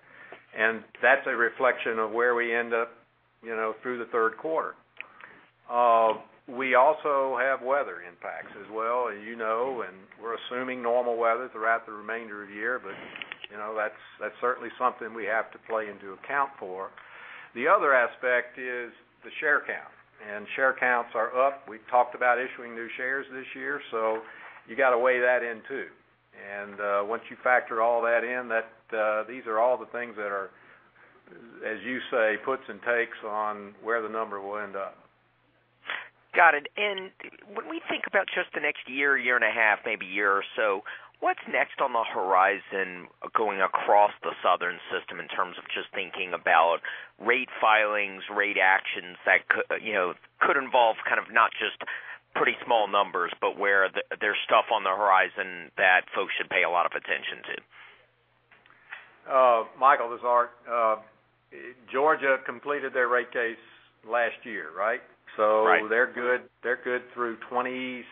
That's a reflection of where we end up through the third quarter. We also have weather impacts as well, as you know. We're assuming normal weather throughout the remainder of the year, that's certainly something we have to play into account for. The other aspect is the share count. Share counts are up. We've talked about issuing new shares this year. You got to weigh that in, too. Once you factor all that in, these are all the things that are, as you say, puts and takes on where the number will end up. Got it. When we think about just the next year and a half, maybe year or so, what's next on the horizon going across the Southern system in terms of just thinking about rate filings, rate actions that could involve kind of not just pretty small numbers, but where there's stuff on the horizon that folks should pay a lot of attention to? Michael, this is Art. Georgia completed their rate case last year, right? Right. They're good through 2016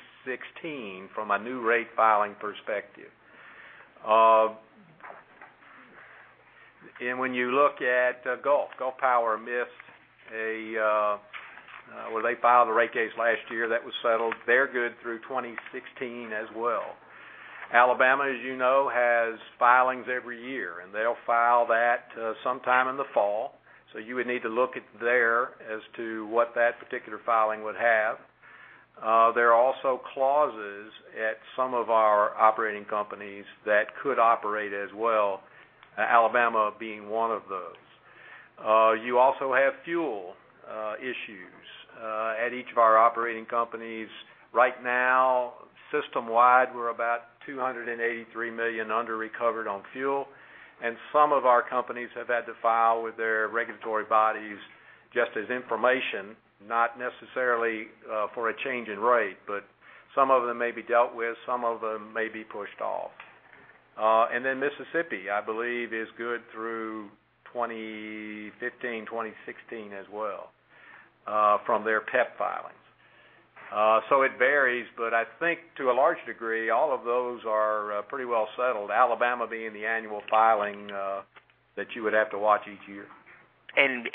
from a new rate filing perspective. When you look at Gulf Power Well, they filed a rate case last year that was settled. They're good through 2016 as well. Alabama, as you know, has filings every year, and they'll file that sometime in the fall. You would need to look there as to what that particular filing would have. There are also clauses at some of our operating companies that could operate as well, Alabama being one of those. You also have fuel issues at each of our operating companies. Right now, system-wide, we're about $283 million under recovered on fuel. Some of our companies have had to file with their regulatory bodies just as information, not necessarily for a change in rate. Some of them may be dealt with, some of them may be pushed off. Mississippi, I believe, is good through 2015, 2016 as well from their PEP filings. It varies, but I think to a large degree, all of those are pretty well settled, Alabama being the annual filing that you would have to watch each year. In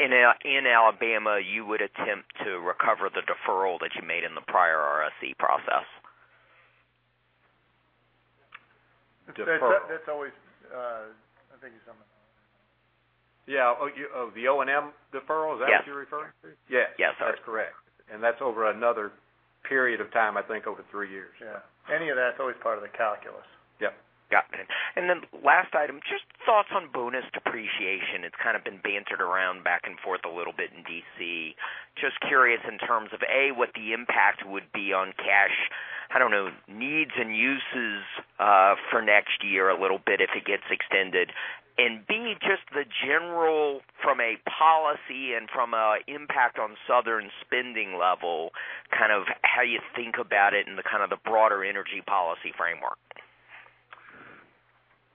Alabama, you would attempt to recover the deferral that you made in the prior RSC process? Deferral. That's always I think you're summing. Yeah. Oh, the O&M deferral? Is that what you're referring to? Yes. Yeah. Yes. Sorry. That's correct. That's over another Period of time, I think over three years. Yeah. Any of that is always part of the calculus. Yep. Got it. Last item, just thoughts on bonus depreciation. It's kind of been bantered around back and forth a little bit in D.C. Just curious in terms of, A, what the impact would be on cash, I don't know, needs and uses for next year a little bit if it gets extended. B, just the general from a policy and from an impact on Southern's spending level, how you think about it in the kind of the broader energy policy framework.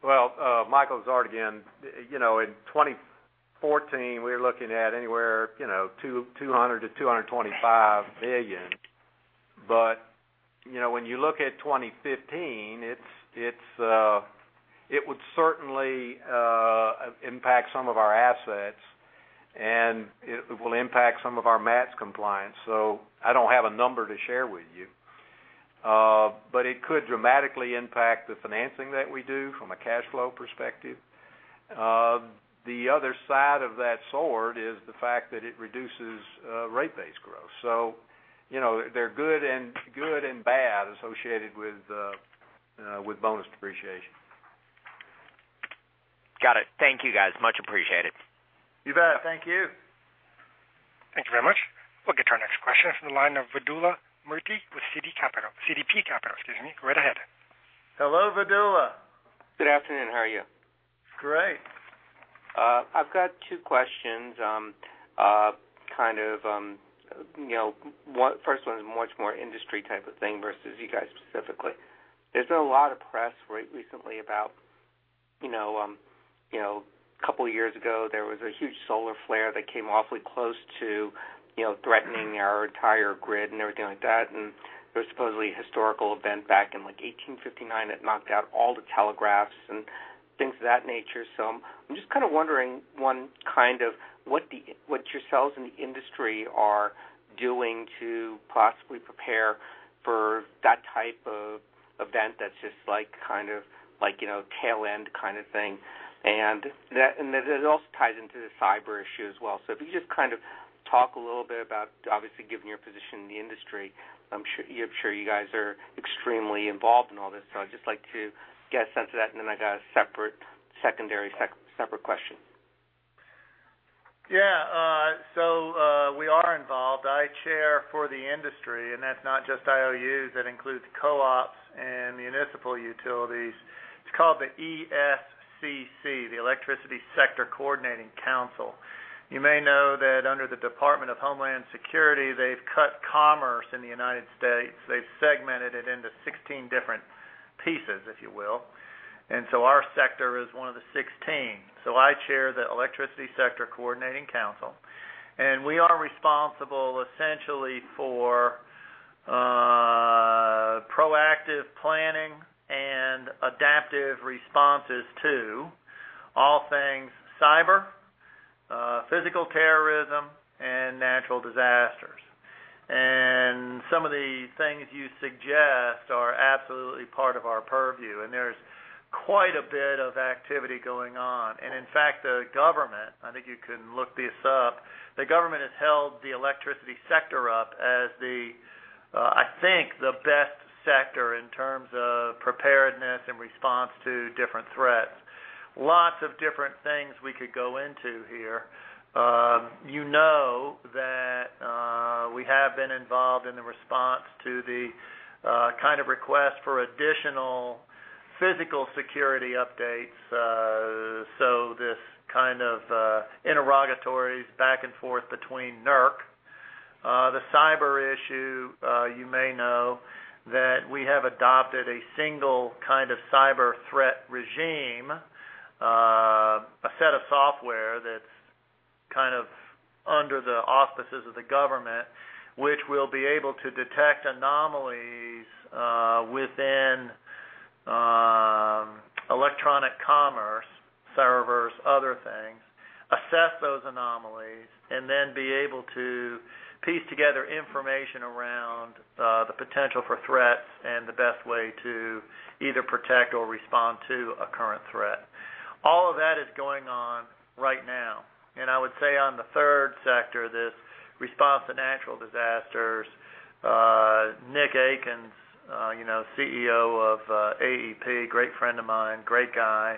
Well, Michael Zargian, in 2014, we're looking at anywhere, $200 billion-$225 billion. When you look at 2015, it would certainly impact some of our assets, and it will impact some of our MATS compliance. I don't have a number to share with you. It could dramatically impact the financing that we do from a cash flow perspective. The other side of that sword is the fact that it reduces rate-based growth. There are good and bad associated with bonus depreciation. Got it. Thank you guys. Much appreciated. You bet. Thank you. Thank you very much. We'll get to our next question from the line of Vidula Murti with CDP Capital. CDP Capital, excuse me. Go right ahead. Hello, Vidula. Good afternoon. How are you? Great. I've got two questions. First one is much more industry type of thing versus you guys specifically. There's been a lot of press recently about a couple of years ago, there was a huge solar flare that came awfully close to threatening our entire grid and everything like that. There was supposedly a historical event back in 1859 that knocked out all the telegraphs and things of that nature. I'm just kind of wondering, one, what yourselves in the industry are doing to possibly prepare for that type of event that's just like tail end kind of thing. That also ties into the cyber issue as well. If you just talk a little bit about, obviously given your position in the industry, I'm sure you guys are extremely involved in all this. I'd just like to get a sense of that, then I got a separate secondary, separate question. Yeah. We are involved. I chair for the industry, and that's not just IOUs. That includes co-ops and municipal utilities. It's called the ESCC, the Electricity Subsector Coordinating Council. You may know that under the Department of Homeland Security, they've cut commerce in the United States. They've segmented it into 16 different pieces, if you will. Our sector is one of the 16. I chair the Electricity Subsector Coordinating Council. We are responsible essentially for proactive planning and adaptive responses to all things cyber, physical terrorism and natural disasters. Some of the things you suggest are absolutely part of our purview, and there's quite a bit of activity going on. In fact, the government, I think you can look this up. The government has held the electricity sector up as the, I think, the best sector in terms of preparedness and response to different threats. Lots of different things we could go into here. You know that we have been involved in the response to the kind of request for additional physical security updates. This kind of interrogatories back and forth between NERC. The cyber issue, you may know that we have adopted a single kind of cyber threat regime. A set of software that's under the auspices of the government, which will be able to detect anomalies within electronic commerce servers, other things. Assess those anomalies, and then be able to piece together information around the potential for threats and the best way to either protect or respond to a current threat. All of that is going on right now. I would say on the third sector, the response to natural disasters. Nick Akins, CEO of American Electric Power, great friend of mine, great guy,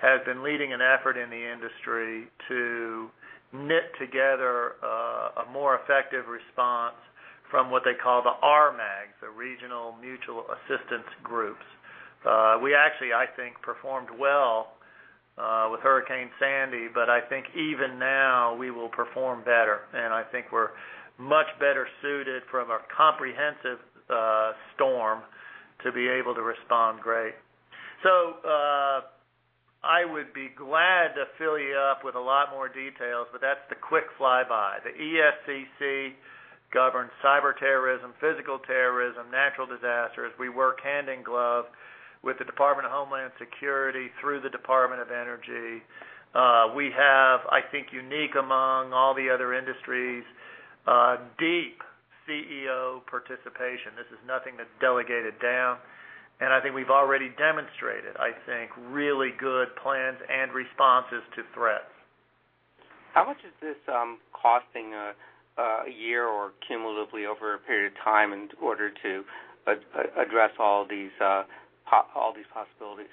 has been leading an effort in the industry to knit together a more effective response from what they call the RMAGs, the Regional Mutual Assistance Groups. We actually, I think, performed well with Hurricane Sandy, but I think even now, we will perform better. I think we're much better suited from a comprehensive storm to be able to respond great. I would be glad to fill you up with a lot more details, but that's the quick flyby. The ESCC governs cyber terrorism, physical terrorism, natural disasters. We work hand in glove with the Department of Homeland Security through the Department of Energy. We have, I think, unique among all the other industries, deep CEO participation. This is nothing that's delegated down. I think we've already demonstrated, I think, really good plans and responses to threats. How much is this costing a year or cumulatively over a period of time in order to address all these possibilities?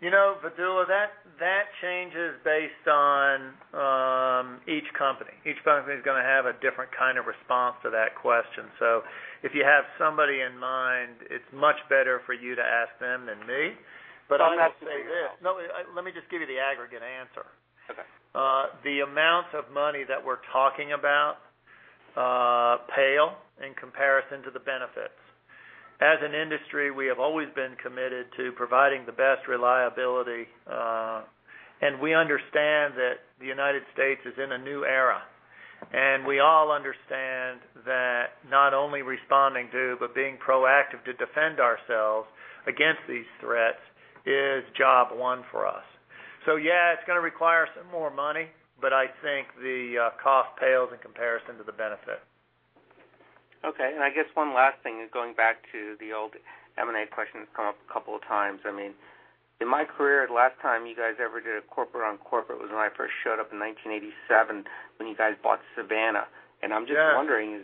Vidula, that changes based on each company. Each company is going to have a different kind of response to that question. If you have somebody in mind, it's much better for you to ask them than me. I will say this. I'll ask you then. No. Let me just give you the aggregate answer. Okay. The amount of money that we're talking about pales in comparison to the benefits. As an industry, we have always been committed to providing the best reliability, and we understand that the U.S. is in a new era. We all understand that not only responding to, but being proactive to defend ourselves against these threats is job one for us. Yeah, it's going to require some more money, but I think the cost pales in comparison to the benefit. Okay. I guess one last thing is going back to the old M&A question that's come up a couple of times. In my career, the last time you guys ever did a corporate on corporate was when I first showed up in 1987 when you guys bought Savannah. Yes. I'm just wondering,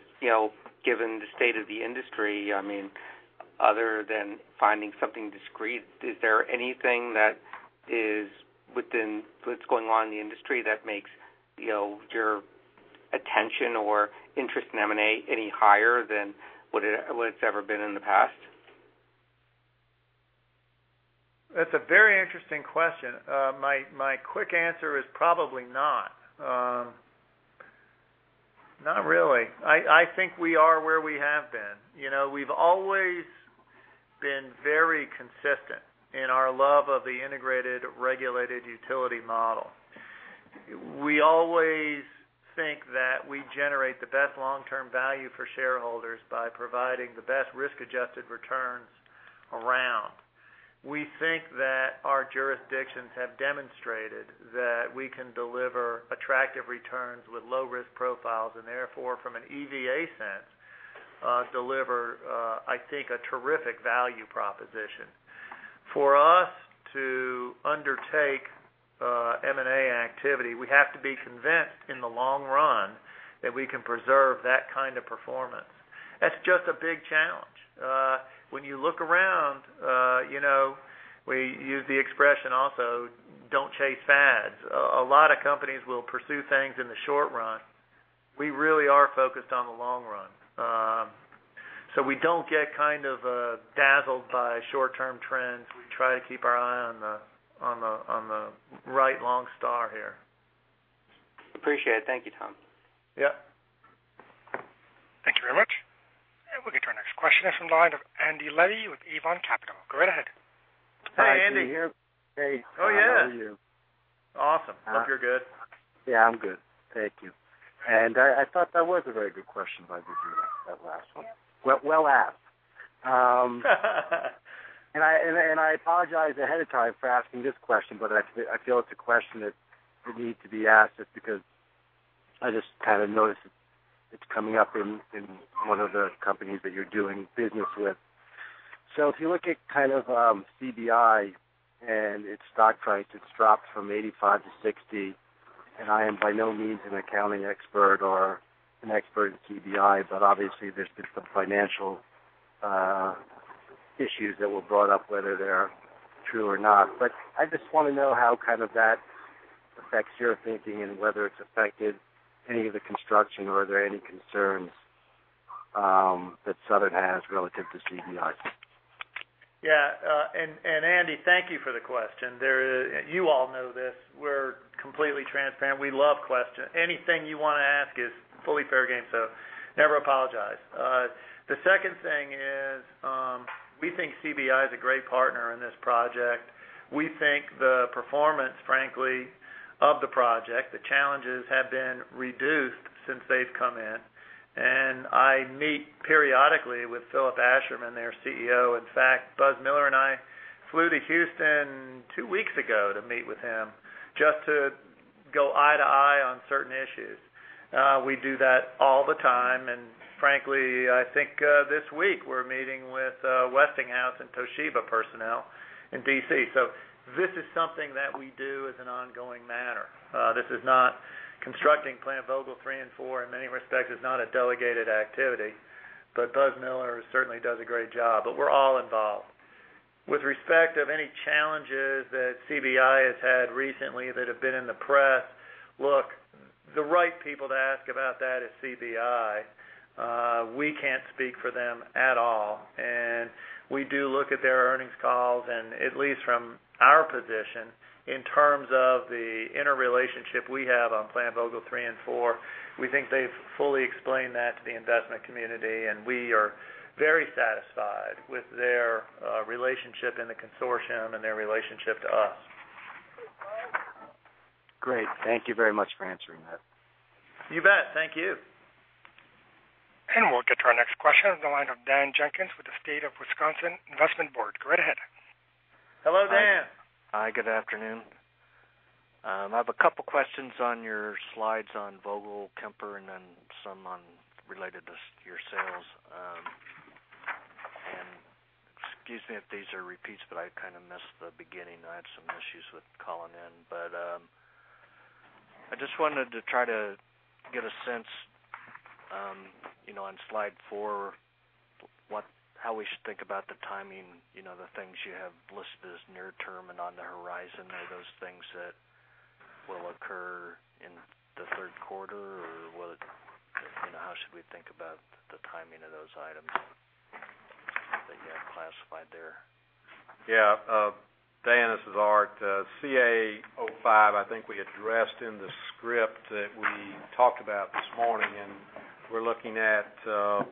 given the state of the industry, other than finding something discrete, is there anything that is within what's going on in the industry that makes your attention or interest in M&A any higher than what it's ever been in the past? That's a very interesting question. My quick answer is probably not. Not really. I think we are where we have been. We've always been very consistent in our love of the integrated regulated utility model. We always think that we generate the best long-term value for shareholders by providing the best risk-adjusted returns around. We think that our jurisdictions have demonstrated that we can deliver attractive returns with low risk profiles and therefore, from an EVA sense, deliver a terrific value proposition. For us to undertake M&A activity, we have to be convinced in the long run that we can preserve that kind of performance. That's just a big challenge. When you look around, we use the expression also, don't chase fads. A lot of companies will pursue things in the short run. We really are focused on the long run. We don't get dazzled by short-term trends. We try to keep our eye on the right long star here. Appreciate it. Thank you, Tom. Yeah. Thank you very much. We'll get to our next question. It's from the line of Andy Levi with Avon Capital. Go right ahead. Hi, Andy. Can you hear me? Oh, yeah. How are you? Awesome. Hope you're good. Yeah, I'm good. Thank you. I thought that was a very good question by Vidula, that last one. Well asked. I apologize ahead of time for asking this question, but I feel it's a question that needs to be asked just because I just noticed it's coming up in one of the companies that you're doing business with. If you look at CBI and its stock price, it's dropped from $85 to $60, and I am by no means an accounting expert or an expert in CBI, but obviously there's been some financial issues that were brought up, whether they're true or not. I just want to know how that affects your thinking and whether it's affected any of the construction, or are there any concerns that Southern has relative to CBI? Yeah. Andy, thank you for the question. You all know this, we're completely transparent. We love questions. Anything you want to ask is fully fair game, so never apologize. The second thing is, we think CBI is a great partner in this project. We think the performance, frankly, of the project, the challenges have been reduced since they've come in. I meet periodically with Philip Asherman, their CEO. In fact, Buzz Miller and I flew to Houston two weeks ago to meet with him just to go eye to eye on certain issues. We do that all the time, and frankly, I think this week we're meeting with Westinghouse and Toshiba personnel in D.C. This is something that we do as an ongoing matter. This is not constructing Plant Vogtle 3 and 4, in many respects, it's not a delegated activity. Buzz Miller certainly does a great job, but we're all involved. With respect of any challenges that CBI has had recently that have been in the press, look, the right people to ask about that is CBI. We can't speak for them at all. We do look at their earnings calls, and at least from our position, in terms of the interrelationship we have on Plant Vogtle 3 and 4, we think they've fully explained that to the investment community, and we are very satisfied with their relationship in the consortium and their relationship to us. Great. Thank you very much for answering that. You bet. Thank you. We'll get to our next question. It's on the line of Dan Jenkins with the State of Wisconsin Investment Board. Go right ahead. Hello, Dan. Hi, good afternoon. I have a couple questions on your slides on slide four, Vogtle, Kemper, and then some related to your sales. Excuse me if these are repeats, but I kind of missed the beginning. I had some issues with calling in. I just wanted to try to get a sense on slide four, how we should think about the timing, the things you have listed as near term and on the horizon. Are those things that will occur in the third quarter? How should we think about the timing of those items that you have classified there? Yeah. Dan, this is Art. CA-05, I think we addressed in the script that we talked about this morning. We're looking at, I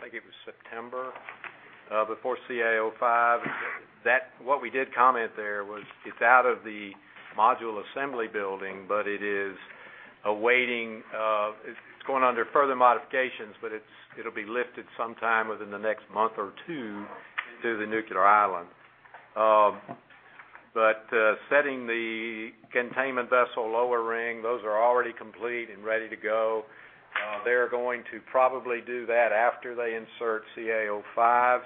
think it was September, before CA-05. It's out of the module assembly building, but it's going under further modifications, but it'll be lifted sometime within the next month or two to the nuclear island. Setting the containment vessel lower ring, those are already complete and ready to go. They're going to probably do that after they insert CA-05.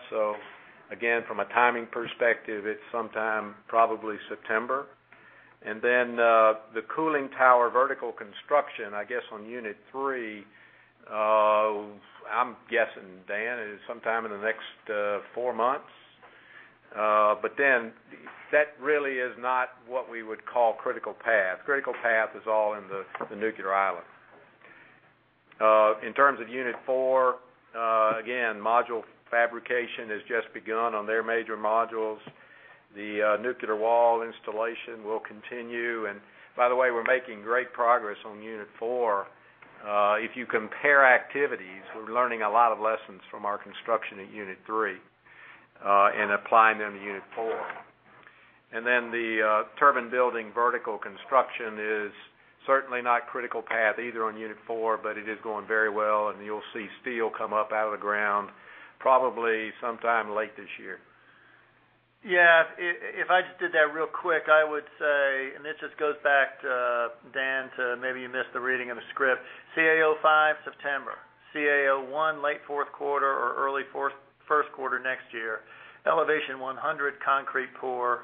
Again, from a timing perspective, it's sometime probably September. The cooling tower vertical construction, I guess, on unit 3, I'm guessing, Dan, it is sometime in the next four months. That really is not what we would call critical path. Critical path is all in the nuclear island. In terms of unit 4, again, module fabrication has just begun on their major modules. The nuclear wall installation will continue. By the way, we're making great progress on unit 4. If you compare activities, we're learning a lot of lessons from our construction at unit 3, and applying them to unit 4. The turbine building vertical construction is certainly not critical path either on unit 4, but it is going very well, and you'll see steel come up out of the ground probably sometime late this year. Yeah. If I just did that real quick, I would say, this just goes back, Dan, to maybe you missed the reading of the script. CA-05, September. CA-01, late fourth quarter or early first quarter next year. Elevation 100 concrete pour,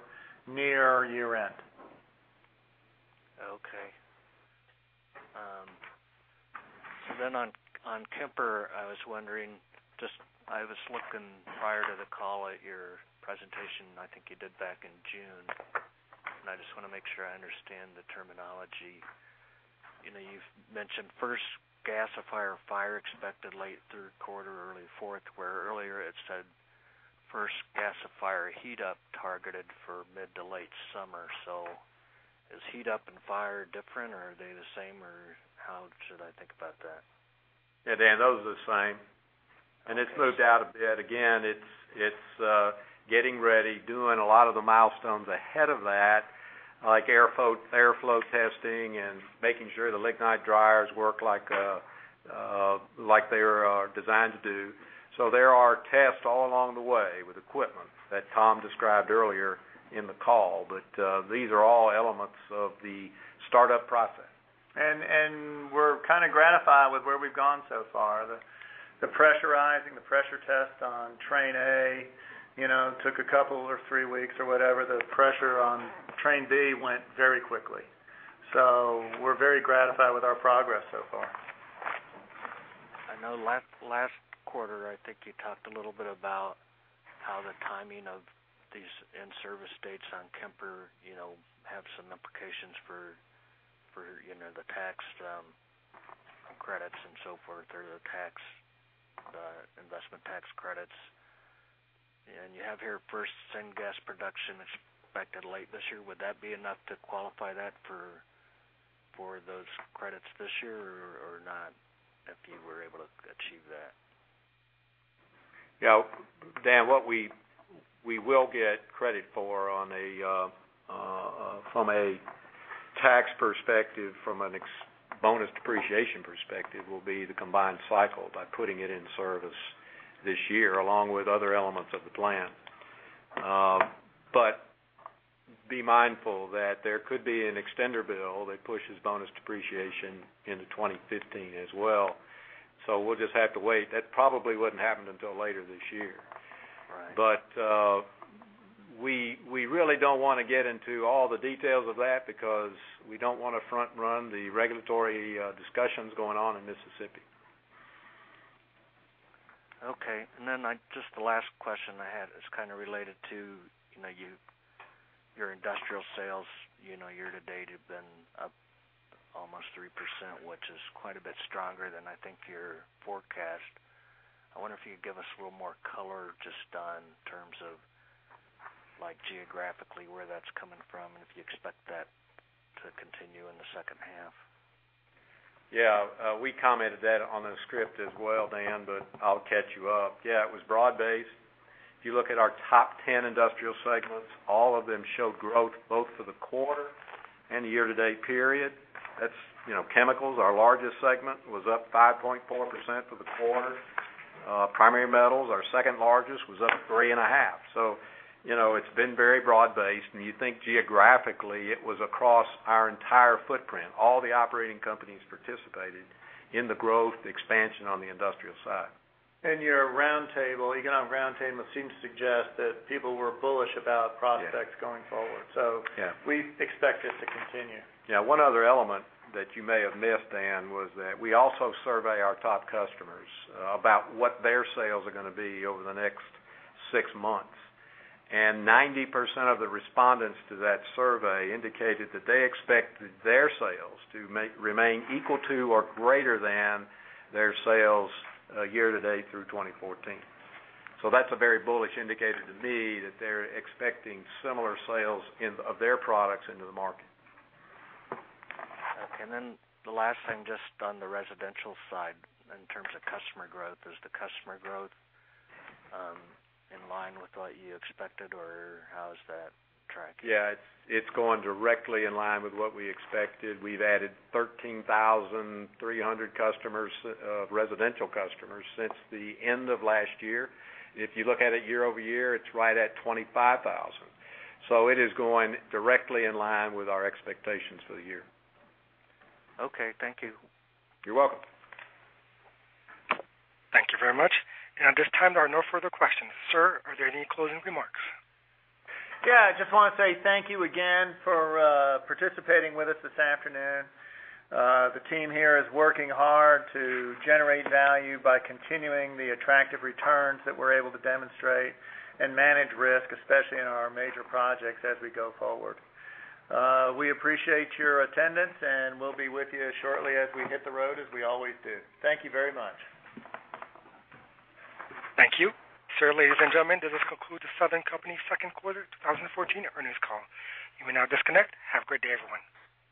near year-end. On Kemper, I was wondering, I was looking prior to the call at your presentation, I think you did back in June. I just want to make sure I understand the terminology. You've mentioned first gasifier fire expected late 3rd quarter, early 4th, where earlier it said first gasifier heat up targeted for mid to late summer. Is heat up and fire different, or are they the same, or how should I think about that? Yeah, Dan, those are the same. Okay. It's moved out a bit. It's getting ready, doing a lot of the milestones ahead of that, like airflow testing and making sure the lignite dryers work like they're designed to do. There are tests all along the way with equipment that Tom described earlier in the call. These are all elements of the startup process. We're gratified with where we've gone so far. The pressurizing, the pressure test on Train A, took a couple or 3 weeks or whatever. The pressure on Train B went very quickly. We're very gratified with our progress so far. I know last quarter, I think you talked a little bit about how the timing of these in-service dates on Kemper have some implications for the tax credits and so forth, or the investment tax credits. You have here first syngas production expected late this year. Would that be enough to qualify that for those credits this year or not if you were able to achieve that? Dan, what we will get credit for from a tax perspective, from a bonus depreciation perspective, will be the combined cycle by putting it in service this year, along with other elements of the plant. Be mindful that there could be an extender bill that pushes bonus depreciation into 2015 as well. We'll just have to wait. That probably wouldn't happen until later this year. Right. We really don't want to get into all the details of that because we don't want to front run the regulatory discussions going on in Mississippi. Okay. Just the last question I had is related to your industrial sales year to date have been up almost 3%, which is quite a bit stronger than I think your forecast. I wonder if you could give us a little more color just on terms of geographically where that's coming from and if you expect that to continue in the second half. Yeah. We commented that on the script as well, Dan, but I'll catch you up. Yeah, it was broad-based. If you look at our top 10 industrial segments, all of them show growth both for the quarter and year-to-date period. Chemicals, our largest segment, was up 5.4% for the quarter. Primary metals, our second largest, was up 3.5%. You think geographically, it was across our entire footprint. All the operating companies participated in the growth, the expansion on the industrial side. Your economic roundtable seemed to suggest that people were bullish about prospects going forward. Yeah. We expect it to continue. Yeah. One other element that you may have missed, Dan, was that we also survey our top customers about what their sales are going to be over the next six months. 90% of the respondents to that survey indicated that they expect their sales to remain equal to or greater than their sales year-to-date through 2014. That's a very bullish indicator to me that they're expecting similar sales of their products into the market. Okay, the last thing, just on the residential side in terms of customer growth. Is the customer growth in line with what you expected, or how is that tracking? Yeah. It's going directly in line with what you expected. We've added 13,300 residential customers since the end of last year. If you look at it year-over-year, it's right at 25,000. It is going directly in line with our expectations for the year. Okay. Thank you. You're welcome. Thank you very much. At this time, there are no further questions. Sir, are there any closing remarks? Yeah. I just want to say thank you again for participating with us this afternoon. The team here is working hard to generate value by continuing the attractive returns that we're able to demonstrate and manage risk, especially in our major projects as we go forward. We appreciate your attendance, and we'll be with you as shortly as we hit the road, as we always do. Thank you very much. Thank you. Sir, ladies and gentlemen, this does conclude the Southern Company second quarter 2014 earnings call. You may now disconnect. Have a great day, everyone.